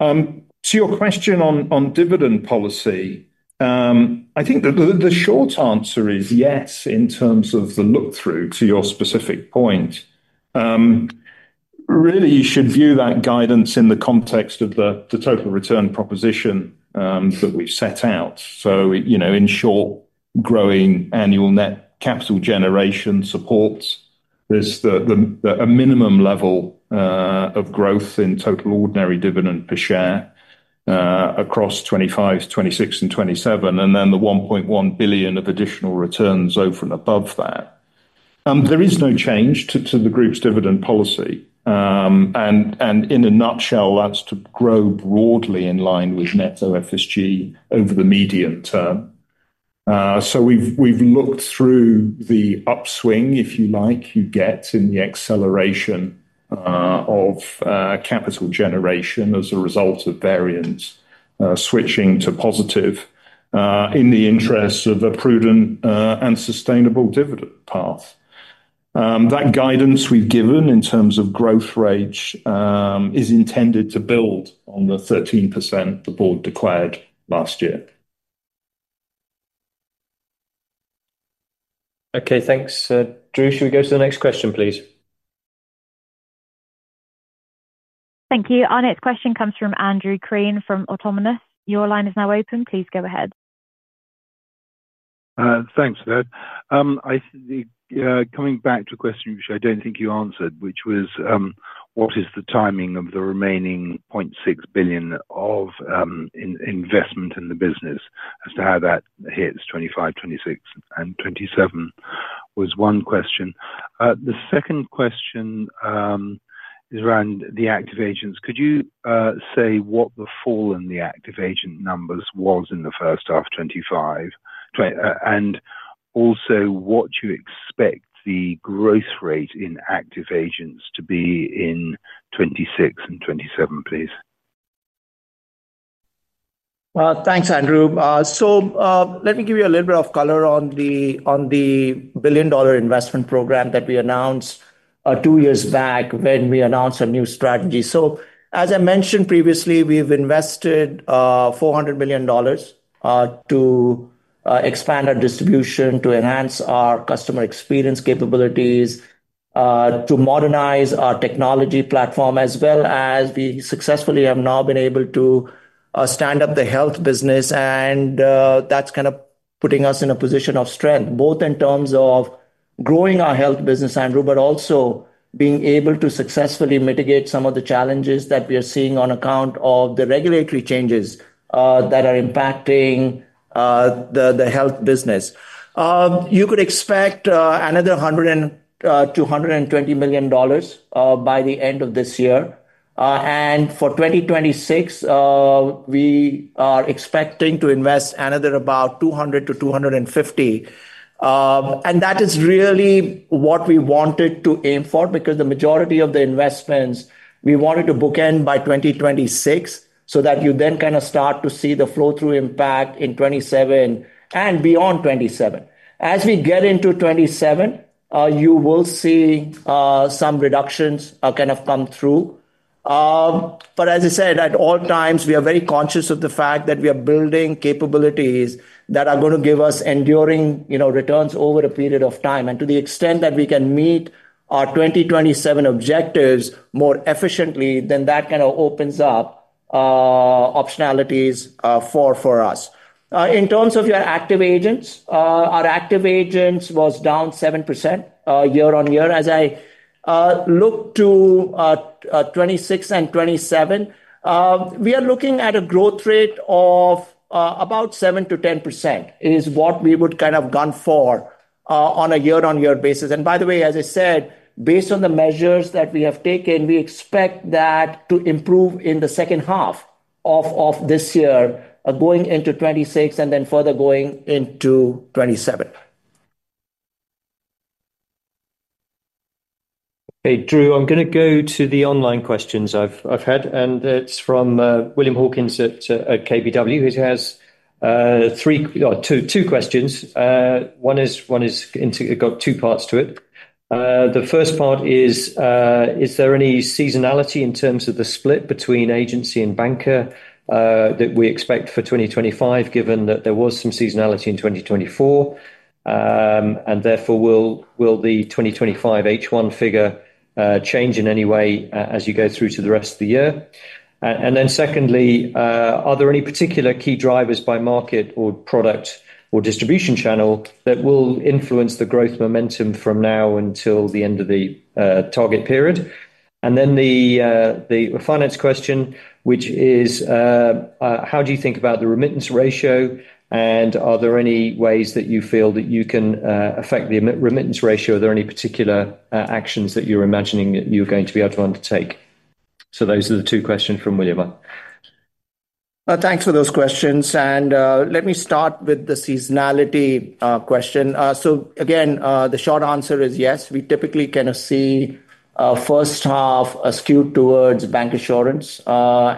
To your question on dividend policy, I think the short answer is yes in terms of the look-through to your specific point. Really, you should view that guidance in the context of the total return proposition that we've set out. In short, growing annual net capital generation supports this, a minimum level of growth in total ordinary dividend per share across 2025, 2026, and 2027, and then the $1.1 billion of additional returns over and above that. There is no change to the group's dividend policy. In a nutshell, that's to grow broadly in line with net OFSG over the medium term. We've looked through the upswing, if you like, you get in the acceleration of capital generation as a result of variance switching to positive in the interests of a prudent and sustainable dividend path. That guidance we've given in terms of growth rate is intended to build on the 13% the board declared last year. Okay, thanks. Drew, should we go to the next question, please? Thank you. Our next question comes from Andrew Crean from Autonomous. Your line is now open. Please go ahead. Thanks, Ben. Coming back to a question which I don't think you answered, which was what is the timing of the remaining $0.6 billion of investment in the business as to how that hits 2025, 2026, and 2027 was one question. The second question is around the active agents. Could you say what the fall in the active agent numbers was in the first half of 2025? Also, what you expect the growth rate in active agents to be in 2026 and 2027, please? Thank you, Andrew. Let me give you a little bit of color on the billion-dollar investment program that we announced two years back when we announced our new strategy. As I mentioned previously, we've invested $400 million to expand our distribution, to enhance our customer experience capabilities, to modernize our technology platform, as well as we successfully have now been able to stand up the health business. That is putting us in a position of strength, both in terms of growing our health business, Andrew, but also being able to successfully mitigate some of the challenges that we are seeing on account of the regulatory changes that are impacting the health business. You could expect another $120 million by the end of this year. For 2026, we are expecting to invest another about $200 million-$250 million. That is really what we wanted to aim for because the majority of the investments we wanted to bookend by 2026 so that you then start to see the flow-through impact in 2027 and beyond 2027. As we get into 2027, you will see some reductions come through. At all times, we are very conscious of the fact that we are building capabilities that are going to give us enduring returns over a period of time. To the extent that we can meet our 2027 objectives more efficiently, that opens up optionalities for us. In terms of your active agents, our active agents were down 7% year-on-year. As I look to 2026 and 2027, we are looking at a growth rate of about 7%-10%. It is what we would gun for on a year-on-year basis. By the way, as I said, based on the measures that we have taken, we expect that to improve in the second half of this year, going into 2026 and then further going into 2027. Hey. Drew, I'm going to go to the online questions I've had, and it's from William Hawkins at KBW, who has two questions. One has got two parts to it. The first part is, is there any seasonality in terms of the split between agency and bancassurance that we expect for 2025, given that there was some seasonality in 2024? Therefore, will the 2025 H1 figure change in any way as you go through to the rest of the year? Secondly, are there any particular key drivers by market or product or distribution channel that will influence the growth momentum from now until the end of the target period? The finance question is, how do you think about the remittance ratio? Are there any ways that you feel that you can affect the remittance ratio? Are there any particular actions that you're imagining that you're going to be able to undertake? Those are the two questions from William. Thanks for those questions. Let me start with the seasonality question. The short answer is yes. We typically see the first half skewed towards bancassurance.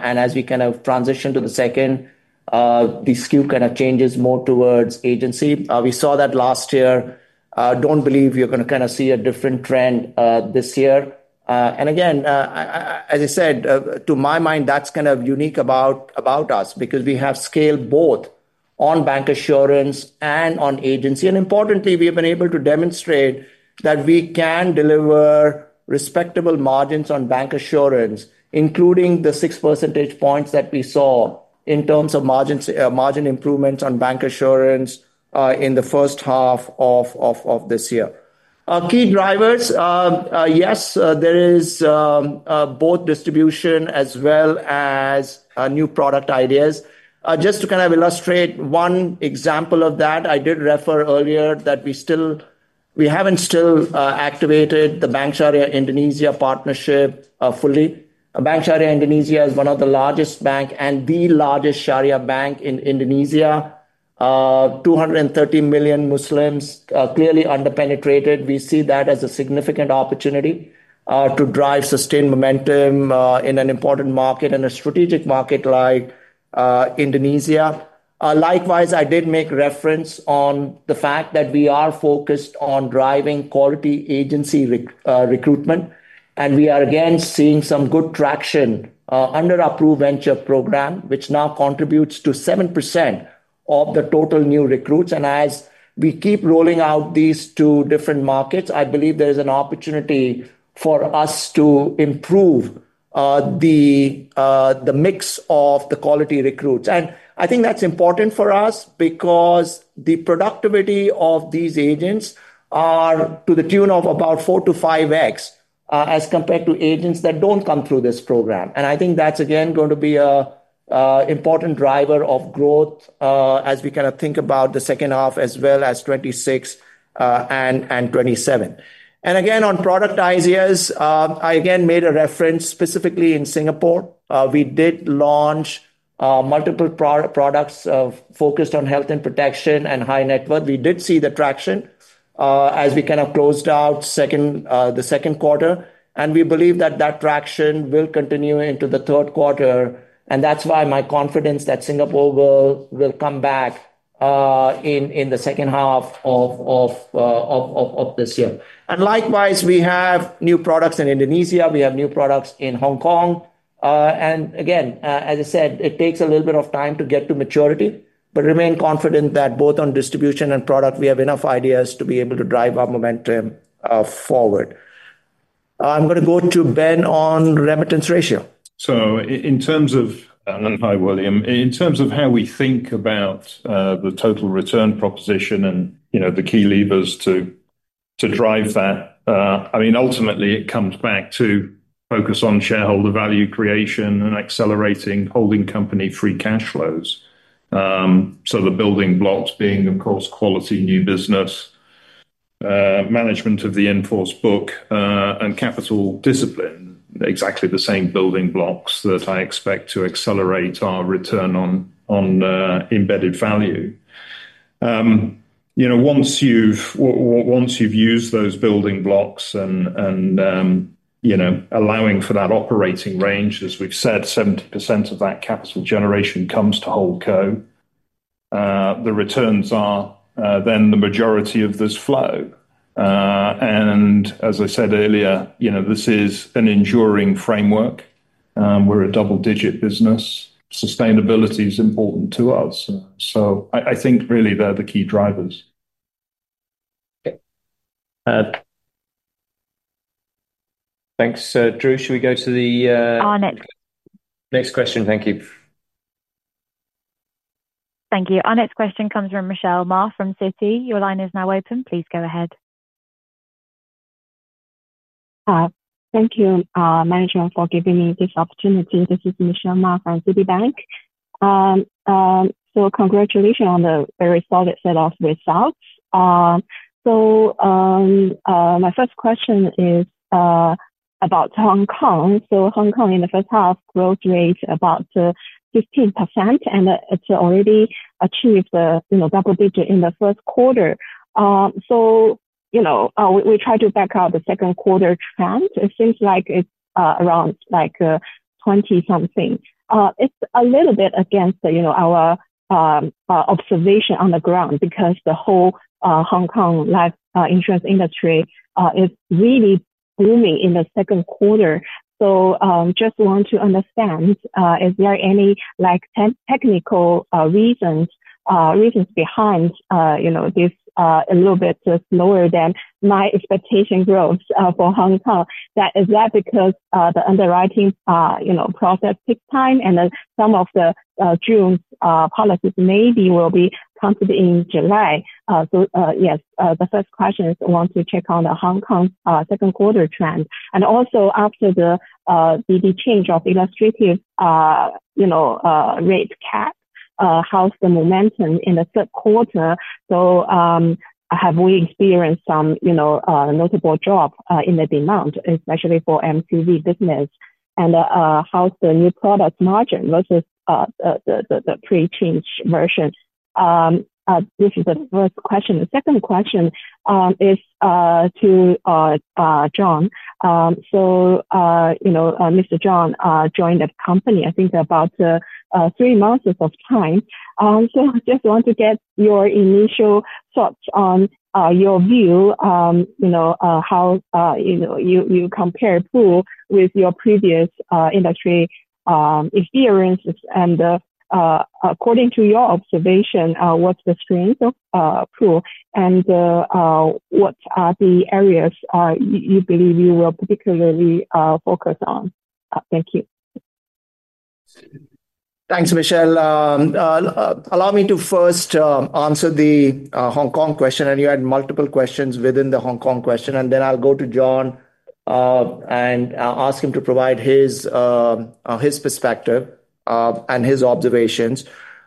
As we transition to the second, the skew changes more towards agency. We saw that last year. I don't believe you're going to see a different trend this year. As I said, to my mind, that's unique about us because we have scaled both on bancassurance and on agency. Importantly, we have been able to demonstrate that we can deliver respectable margins on bancassurance, including the 6 percentage points that we saw in terms of margin improvements on bancassurance in the first half of this year. Key drivers, yes, there is both distribution as well as new product ideas. To illustrate one example of that, I did refer earlier that we haven't still activated the Bank Syariah Indonesia partnership fully. Bank Syariah Indonesia is one of the largest banks and the largest Syariah bank in Indonesia. 230 million Muslims, clearly underpenetrated. We see that as a significant opportunity to drive sustained momentum in an important market and a strategic market like Indonesia. Likewise, I did make reference to the fact that we are focused on driving quality agency recruitment. We are seeing some good traction under our PRUVenture program, which now contributes to 7% of the total new recruits. As we keep rolling out these to different markets, I believe there is an opportunity for us to improve the mix of the quality recruits. I think that's important for us because the productivity of these agents is to the tune of about 4x-5x as compared to agents that don't come through this program. I think that's going to be an important driver of growth as we think about the second half as well as 2026 and 2027. On product ideas, I made a reference specifically in Singapore. We did launch multiple products focused on health and protection and high net worth. We did see the traction as we closed out the second quarter. We believe that that traction will continue into the third quarter. That's why my confidence that Singapore will come back in the second half of this year. Likewise, we have new products in Indonesia. We have new products in Hong Kong. As I said, it takes a little bit of time to get to maturity, but remain confident that both on distribution and product, we have enough ideas to be able to drive our momentum forward. I'm going to go to Ben on remittance ratio. In terms of how we think about the total return proposition and the key levers to drive that, I mean, ultimately, it comes back to focus on shareholder value creation and accelerating holding company free cash flows. The building blocks being, of course, quality new business, management of the enforced book, and capital discipline, exactly the same building blocks that I expect to accelerate our return on embedded value. Once you've used those building blocks and allowing for that operating range, as we've said, 70% of that capital generation comes to hold co. The returns are then the majority of this flow. As I said earlier, you know, this is an enduring framework. We're a double-digit business. Sustainability is important to us. I think really they're the key drivers. Thanks, Drew. Should we go to the next question? Thank you. Thank you. Our next question comes from Michelle Ma from Citi. Your line is now open. Please go ahead. Hi. Thank you, management, for giving me this opportunity. This is Michelle Ma from Citi Bank. Congratulations on the very solid set of results. My first question is about Hong Kong. Hong Kong, in the first half, growth rate is about 15%, and it's already achieved the double digit in the first quarter. We try to back out the second quarter trend. It seems like it's around 20-something percentage. It's a little bit against our observation on the ground because the whole Hong Kong life insurance industry is really booming in the second quarter. I just want to understand, is there any technical reasons behind this a little bit slower than my expectation growth for Hong Kong? Is that because the underwriting process takes time and some of the June policies maybe will be considered in July? The first question is I want to check on the Hong Kong second quarter trend. Also, after the big change of illustrative rate cap, how's the momentum in the third quarter? Have we experienced some notable drop in the demand, especially for MCV business? How's the new product margin versus the pre-change version? This is the first question. The second question is to John. Mr. John joined the company, I think, about three months of time. I just want to get your initial thoughts on your view, how you compare Prudential with your previous industry experiences. According to your observation, what's the strength of Prudential and what are the areas you believe you will particularly focus on? Thank you. Thanks, Michelle. Allow me to first answer the Hong Kong question. You had multiple questions within the Hong Kong question. I will go to John and ask him to provide his perspective and his observations.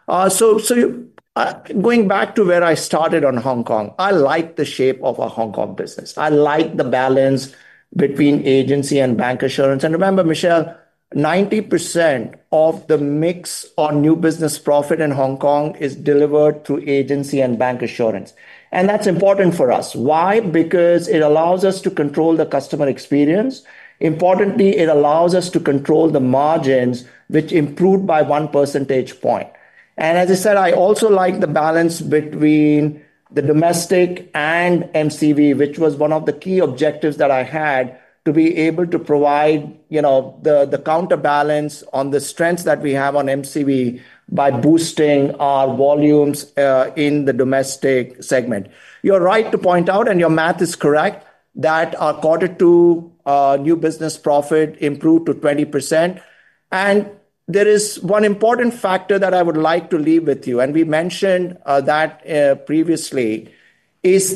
Going back to where I started on Hong Kong, I like the shape of our Hong Kong business. I like the balance between agency and bancassurance. Remember, Michelle, 90% of the mix on new business profit in Hong Kong is delivered through agency and bancassurance. That's important for us. Why? Because it allows us to control the customer experience. Importantly, it allows us to control the margins, which improved by 1 percentage point. As I said, I also like the balance between the domestic and MCV, which was one of the key objectives that I had to be able to provide the counterbalance on the strengths that we have on MCV by boosting our volumes in the domestic segment. You're right to point out, and your math is correct, that our Q2 new business profit improved to 20%. There is one important factor that I would like to leave with you, and we mentioned that previously,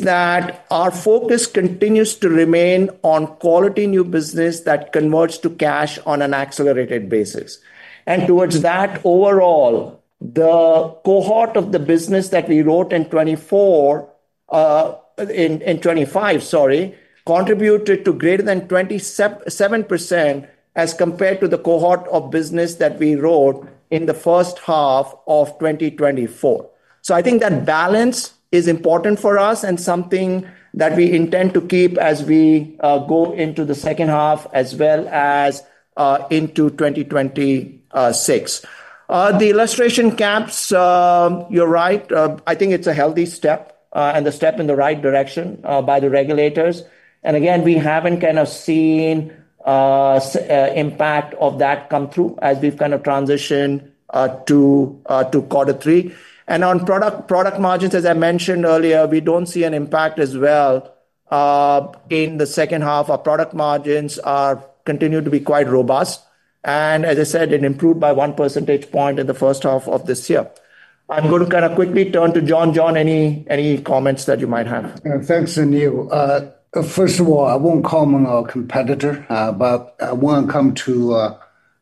our focus continues to remain on quality new business that converts to cash on an accelerated basis. Towards that, overall, the cohort of the business that we wrote in 2025 contributed to greater than 27% as compared to the cohort of business that we wrote in the first half of 2024. I think that balance is important for us and something that we intend to keep as we go into the second half as well as into 2026. The illustration caps, you're right. I think it's a healthy step and a step in the right direction by the regulators. We haven't seen the impact of that come through as we've transitioned to Q3. On product margins, as I mentioned earlier, we don't see an impact as well. In the second half, our product margins continue to be quite robust. As I said, it improved by 1 percentage point in the first half of this year. I'm going to quickly turn to John. John, any comments that you might have? Thanks, Anil. First of all, I won't call him our competitor, but I want to come to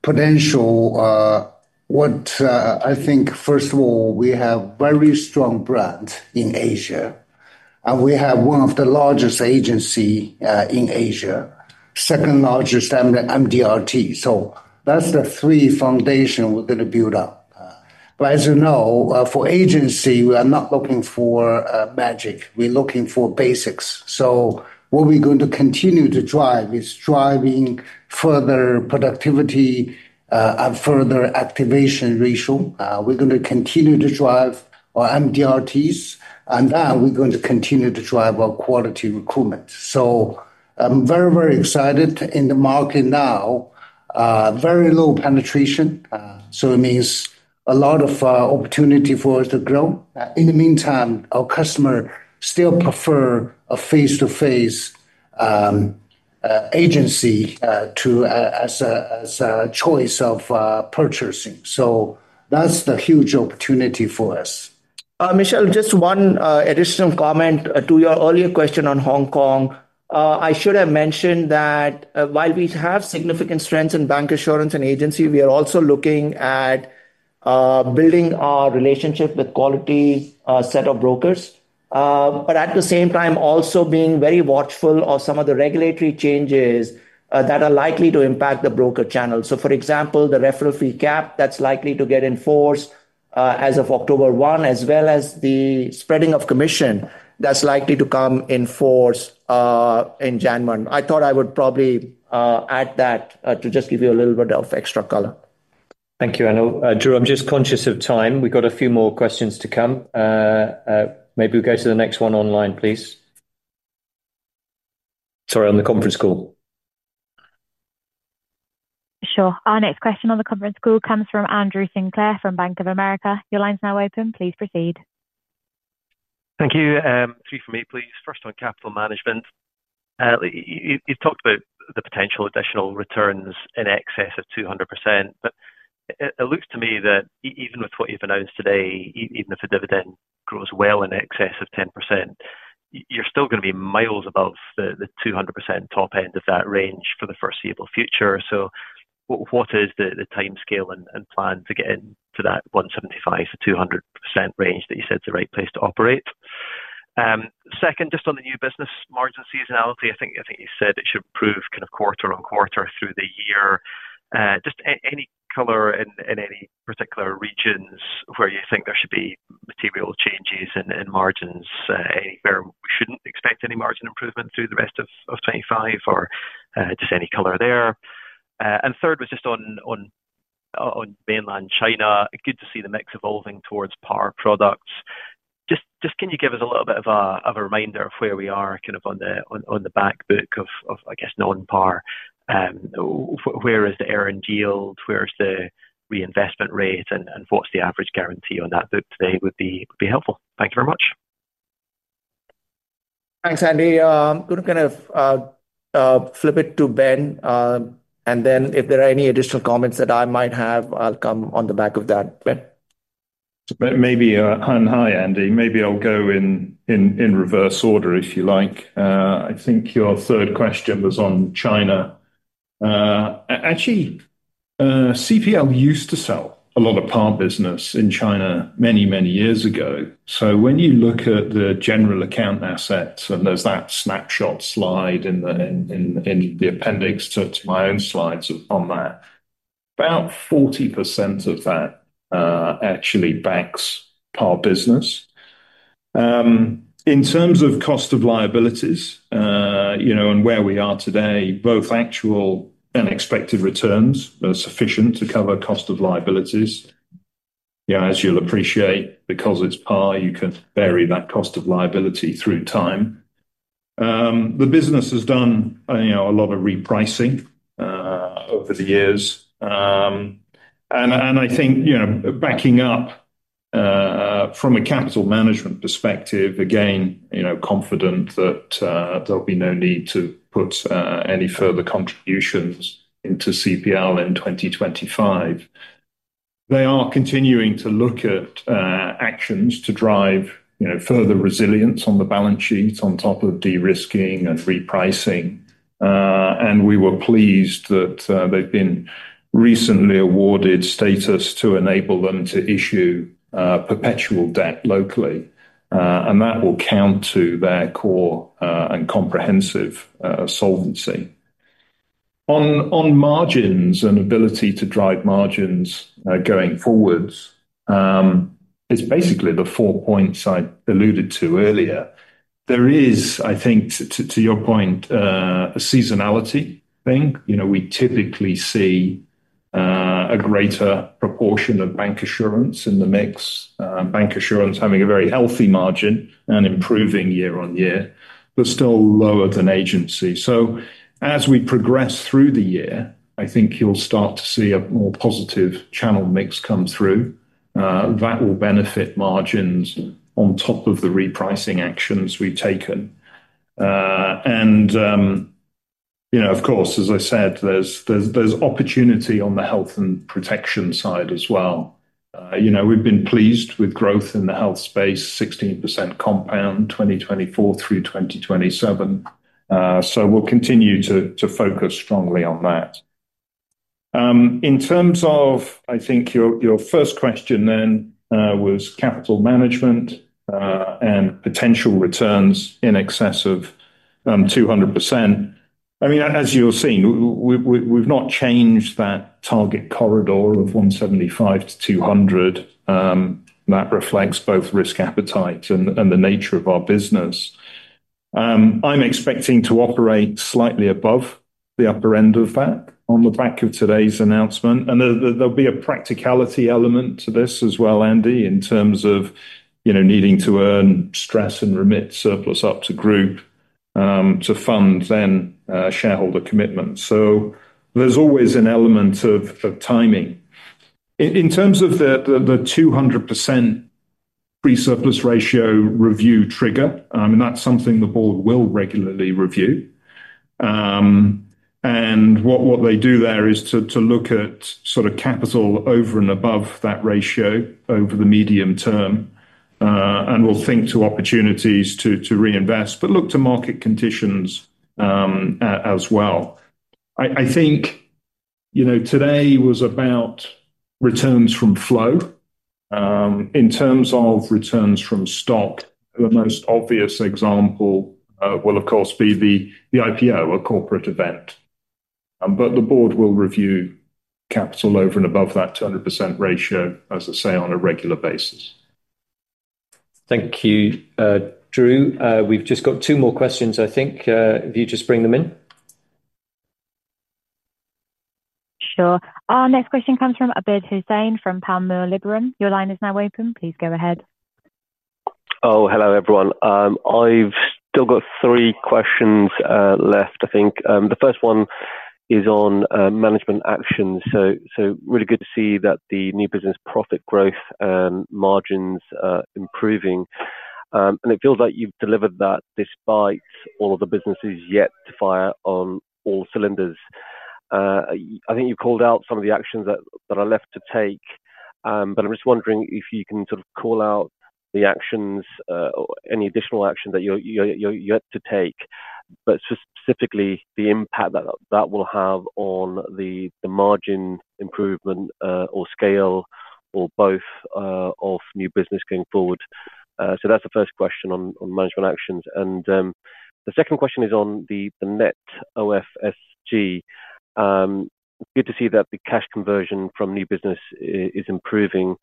potential. What I think, first of all, we have a very strong brand in Asia, and we have one of the largest agencies in Asia, the second largest MDRT. That's the three foundations we're going to build up. As you know, for agency, we are not looking for magic, we're looking for basics. What we're going to continue to drive is driving further productivity and further activation ratio. We're going to continue to drive our MDRTs, and then we're going to continue to drive our quality recruitment. I'm very, very excited in the market now. Very low penetration means a lot of opportunity for us to grow. In the meantime, our customers still prefer a face-to-face agency as a choice of purchasing. That's the huge opportunity for us. Michelle, just one additional comment to your earlier question on Hong Kong. I should have mentioned that while we have significant strengths in bancassurance and agency, we are also looking at building our relationship with a quality set of brokers. At the same time, we are also being very watchful of some of the regulatory changes that are likely to impact the broker channel. For example, the referral fee cap that's likely to get enforced as of October 1, as well as the spreading of commission that's likely to come in force in January. I thought I would probably add that to just give you a little bit of extra color. Thank you, Anil. Drew, I'm just conscious of time. We've got a few more questions to come. Maybe we'll go to the next one online, please. Sorry, on the conference call. Sure. Our next question on the conference call comes from Andrew Sinclair from Bank of America. Your line's now open. Please proceed. Thank you. Three for me, please. First on capital management. You've talked about the potential additional returns in excess of 200%, but it looks to me that even with what you've announced today, even if a dividend grows well in excess of 10%, you're still going to be miles above the 200% top end of that range for the foreseeable future. What is the timescale and plan to get into that 175%-200% range that you said is the right place to operate? Second, just on the new business margin seasonality, I think you said it should improve kind of quarter on quarter through the year. Any color in any particular regions where you think there should be material changes in margins, anywhere we shouldn't expect any margin improvement through the rest of 2025, or just any color there? Third was just on mainland China. Good to see the mix evolving towards par products. Can you give us a little bit of a reminder of where we are kind of on the back book of, I guess, non-par? Where is the earned yield? Where's the reinvestment rate? What's the average guarantee on that book today would be helpful. Thank you very much. Thanks, Andy. I'm going to kind of flip it to Ben. If there are any additional comments that I might have, I'll come on the back of that, Ben. Maybe, and hi, Andy. Maybe I'll go in reverse order if you like. I think your third question was on China. Actually, CPL used to sell a lot of par business in China many, many years ago. When you look at the general account assets, and there's that snapshot slide in the appendix to my own slides on that, about 40% of that actually backs par business. In terms of cost of liabilities, you know, and where we are today, both actual and expected returns are sufficient to cover cost of liabilities. As you'll appreciate, because it's par, you can vary that cost of liability through time. The business has done a lot of repricing over the years. Backing up from a capital management perspective, again, confident that there'll be no need to put any further contributions into CPL in 2025. They are continuing to look at actions to drive further resilience on the balance sheet on top of de-risking and repricing. We were pleased that they've been recently awarded status to enable them to issue perpetual debt locally. That will count to their core and comprehensive solvency. On margins and ability to drive margins going forwards, it's basically the four points I alluded to earlier. There is, I think, to your point, a seasonality thing. We typically see a greater proportion of bancassurance in the mix, bancassurance having a very healthy margin and improving year on year, but still lower than agency. As we progress through the year, I think you'll start to see a more positive channel mix come through. That will benefit margins on top of the repricing actions we've taken. Of course, as I said, there's opportunity on the health and protection side as well. We've been pleased with growth in the health space, 16% compound, 2024 through 2027. We'll continue to focus strongly on that. In terms of, I think your first question then was capital management and potential returns in excess of 200%. As you're seeing, we've not changed that target corridor of 175%-200%. That reflects both risk appetite and the nature of our business. I'm expecting to operate slightly above the upper end of that on the back of today's announcement. There'll be a practicality element to this as well, Andy, in terms of needing to earn stress and remit surplus up to group to fund then shareholder commitments. There's always an element of timing. In terms of the 200% free surplus ratio review trigger. That's something the board will regularly review. What they do there is to look at capital over and above that ratio over the medium term. They'll think to opportunities to reinvest, but look to market conditions as well. I think today was about returns from flow. In terms of returns from stock, the most obvious example will, of course, be the IPO, a corporate event. The board will review capital over and above that 20% ratio, as I say, on a regular basis. Thank you, Drew. We've just got two more questions, I think. If you just bring them in. Sure. Our next question comes from Abid Hussain from Panmure Liberum. Your line is now open. Please go ahead. Oh, hello, everyone. I've still got three questions left, I think. The first one is on management actions. Really good to see that the new business profit growth and margins are improving. It feels like you've delivered that despite all of the businesses yet to fire on all cylinders. I think you called out some of the actions that are left to take. I'm just wondering if you can sort of call out the actions or any additional action that you're yet to take, specifically the impact that that will have on the margin improvement or scale or both of new business going forward. That's the first question on management actions. The second question is on the net operating free surplus generation. Good to see that the cash conversion from new business is improving.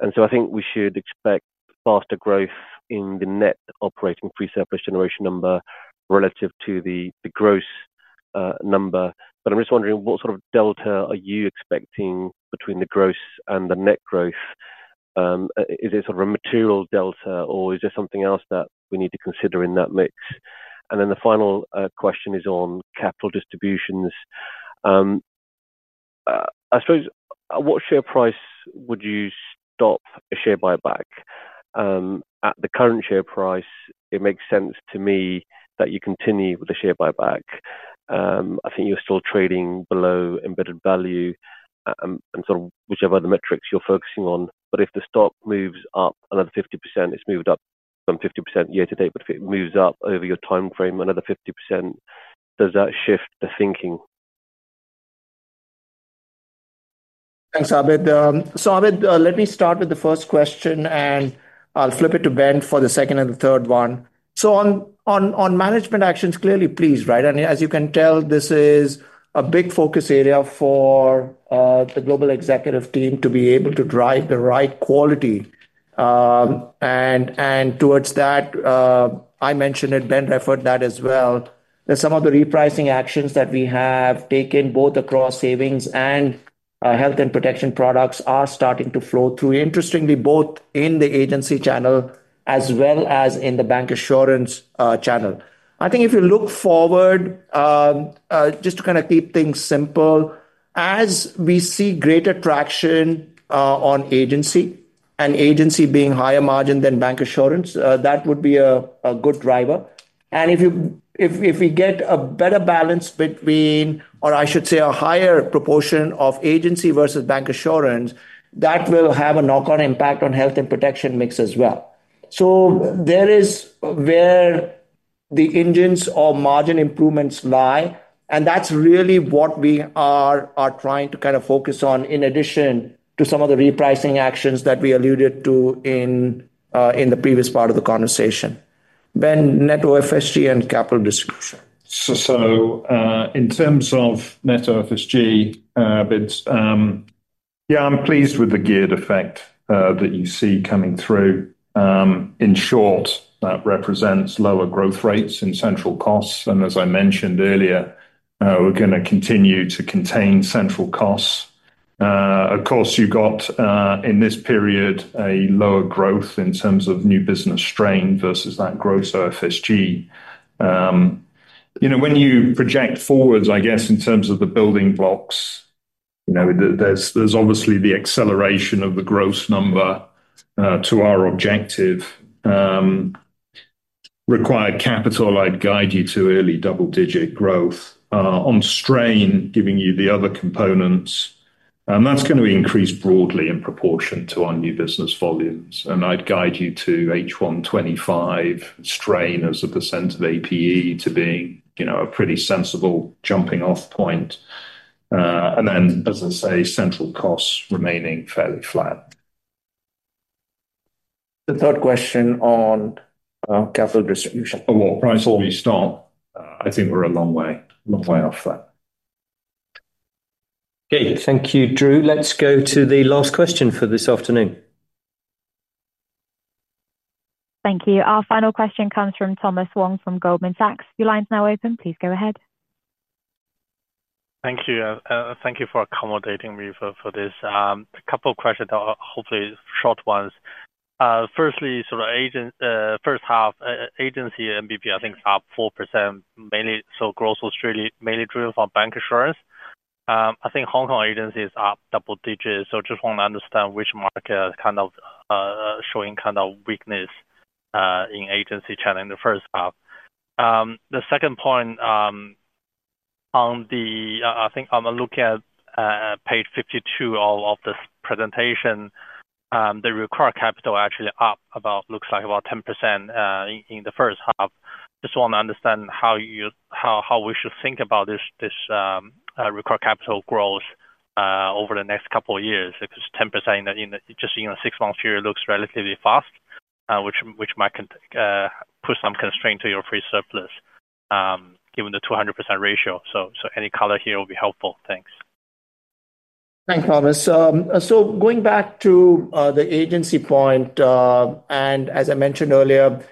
I think we should expect faster growth in the net operating free surplus generation number relative to the gross number. I'm just wondering what sort of delta are you expecting between the gross and the net growth. Is it a material delta or is there something else that we need to consider in that mix? The final question is on capital distributions. I suppose, what share price would you stop a share buyback? At the current share price, it makes sense to me that you continue with the share buyback. I think you're still trading below embedded value and whichever other metrics you're focusing on. If the stock moves up another 50%, it's moved up 50% year-to-date. If it moves up over your timeframe another 50%, does that shift the thinking? Thanks, Abid. Abid, let me start with the first question and I'll flip it to Ben for the second and the third one. On management actions, clearly, please, right? As you can tell, this is a big focus area for the global executive team to be able to drive the right quality. Towards that, I mentioned it, Ben referred to that as well. Some of the repricing actions that we have taken both across savings and health and protection products are starting to flow through, interestingly, both in the agency channel as well as in the bancassurance channel. I think if you look forward, just to kind of keep things simple, as we see greater traction on agency and agency being higher margin than bancassurance, that would be a good driver. If you get a better balance between, or I should say a higher proportion of agency versus bancassurance, that will have a knock-on impact on health and protection mix as well. There is where the engines of margin improvements lie. That's really what we are trying to kind of focus on in addition to some of the repricing actions that we alluded to in the previous part of the conversation. Ben, net OFSG and capital distribution. In terms of net OFSG, yeah, I'm pleased with the geared effect that you see coming through. In short, that represents lower growth rates and central costs. As I mentioned earlier, we're going to continue to contain central costs. Of course, you've got in this period a lower growth in terms of new business strain versus that gross OFSG. When you project forwards, I guess in terms of the building blocks, there's obviously the acceleration of the gross number to our objective. Required capital, I'd guide you to early double-digit growth. On strain, giving you the other components, that's going to increase broadly in proportion to our new business volumes. I'd guide you to H1 2025 strain as a percentage of APE to being a pretty sensible jumping-off point. As I say, central costs remaining fairly flat. The third question on capital distribution. Oh, right. Before we start, I think we're a long way, a long way off that. Okay, thank you, Drew. Let's go to the last question for this afternoon. Thank you. Our final question comes from Thomas Wang from Goldman Sachs. Your line's now open. Please go ahead. Thank you. Thank you for accommodating me for this. A couple of questions that are hopefully short ones. Firstly, sort of first half, agency MVP, I think it's up 4% mainly. Growth was really mainly driven from bancassurance. I think Hong Kong agency is up double digits. I just want to understand which market is kind of showing kind of weakness in agency channel in the first half. The second point, I think I'm looking at page 52 of this presentation. The required capital actually up about, looks like about 10% in the first half. I just want to understand how we should think about this required capital growth over the next couple of years. Because 10% in just in a six-month period looks relatively fast, which might put some constraint to your pre-surplus, given the 200% ratio. Any color here will be helpful. Thanks. Thanks, Thomas. Going back to the agency point, as I mentioned earlier,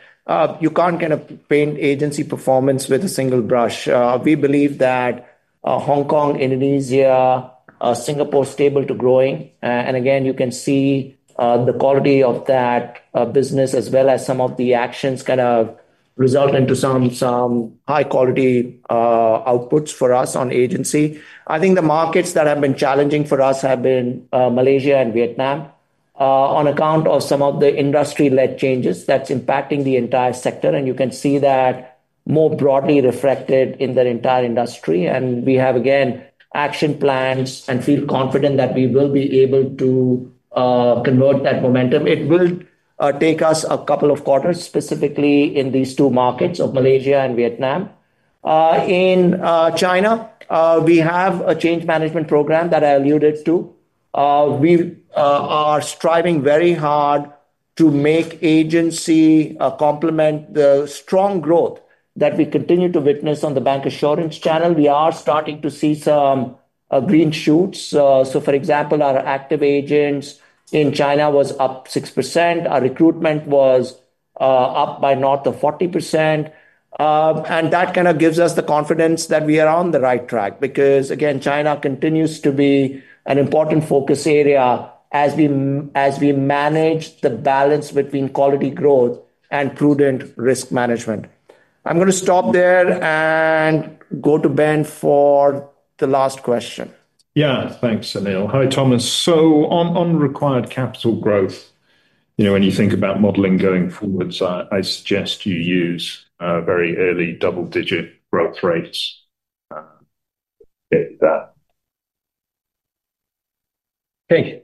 you can't kind of paint agency performance with a single brush. We believe that Hong Kong, Indonesia, Singapore is stable to growing. You can see the quality of that business as well as some of the actions kind of result into some high-quality outputs for us on agency. I think the markets that have been challenging for us have been Malaysia and Vietnam, on account of some of the industry-led changes that's impacting the entire sector. You can see that more broadly reflected in the entire industry. We have, again, action plans and feel confident that we will be able to convert that momentum. It will take us a couple of quarters, specifically in these two markets of Malaysia and Vietnam. In China, we have a change management program that I alluded to. We are striving very hard to make agency complement the strong growth that we continue to witness on the bancassurance channel. We are starting to see some green shoots. For example, our active agents in China were up 6%. Our recruitment was up by north of 40%. That kind of gives us the confidence that we are on the right track because, again, China continues to be an important focus area as we manage the balance between quality growth and prudent risk management. I'm going to stop there and go to Ben for the last question. Yeah, thanks, Anil. Hi, Thomas. On required capital growth, when you think about modeling going forward, I suggest you use very early double-digit growth rates. Okay.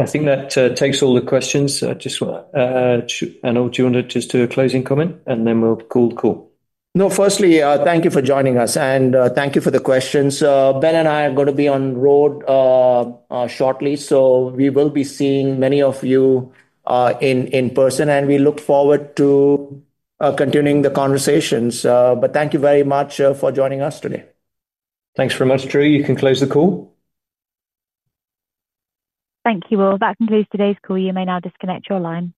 I think that takes all the questions. I just want to, do you want to just do a closing comment and then we'll call the call? No, firstly, thank you for joining us and thank you for the questions. Ben and I are going to be on the road shortly, so we will be seeing many of you in person and we look forward to continuing the conversations. Thank you very much for joining us today. Thanks very much, Drew. You can close the call. Thank you. That concludes today's call. You may now disconnect your line.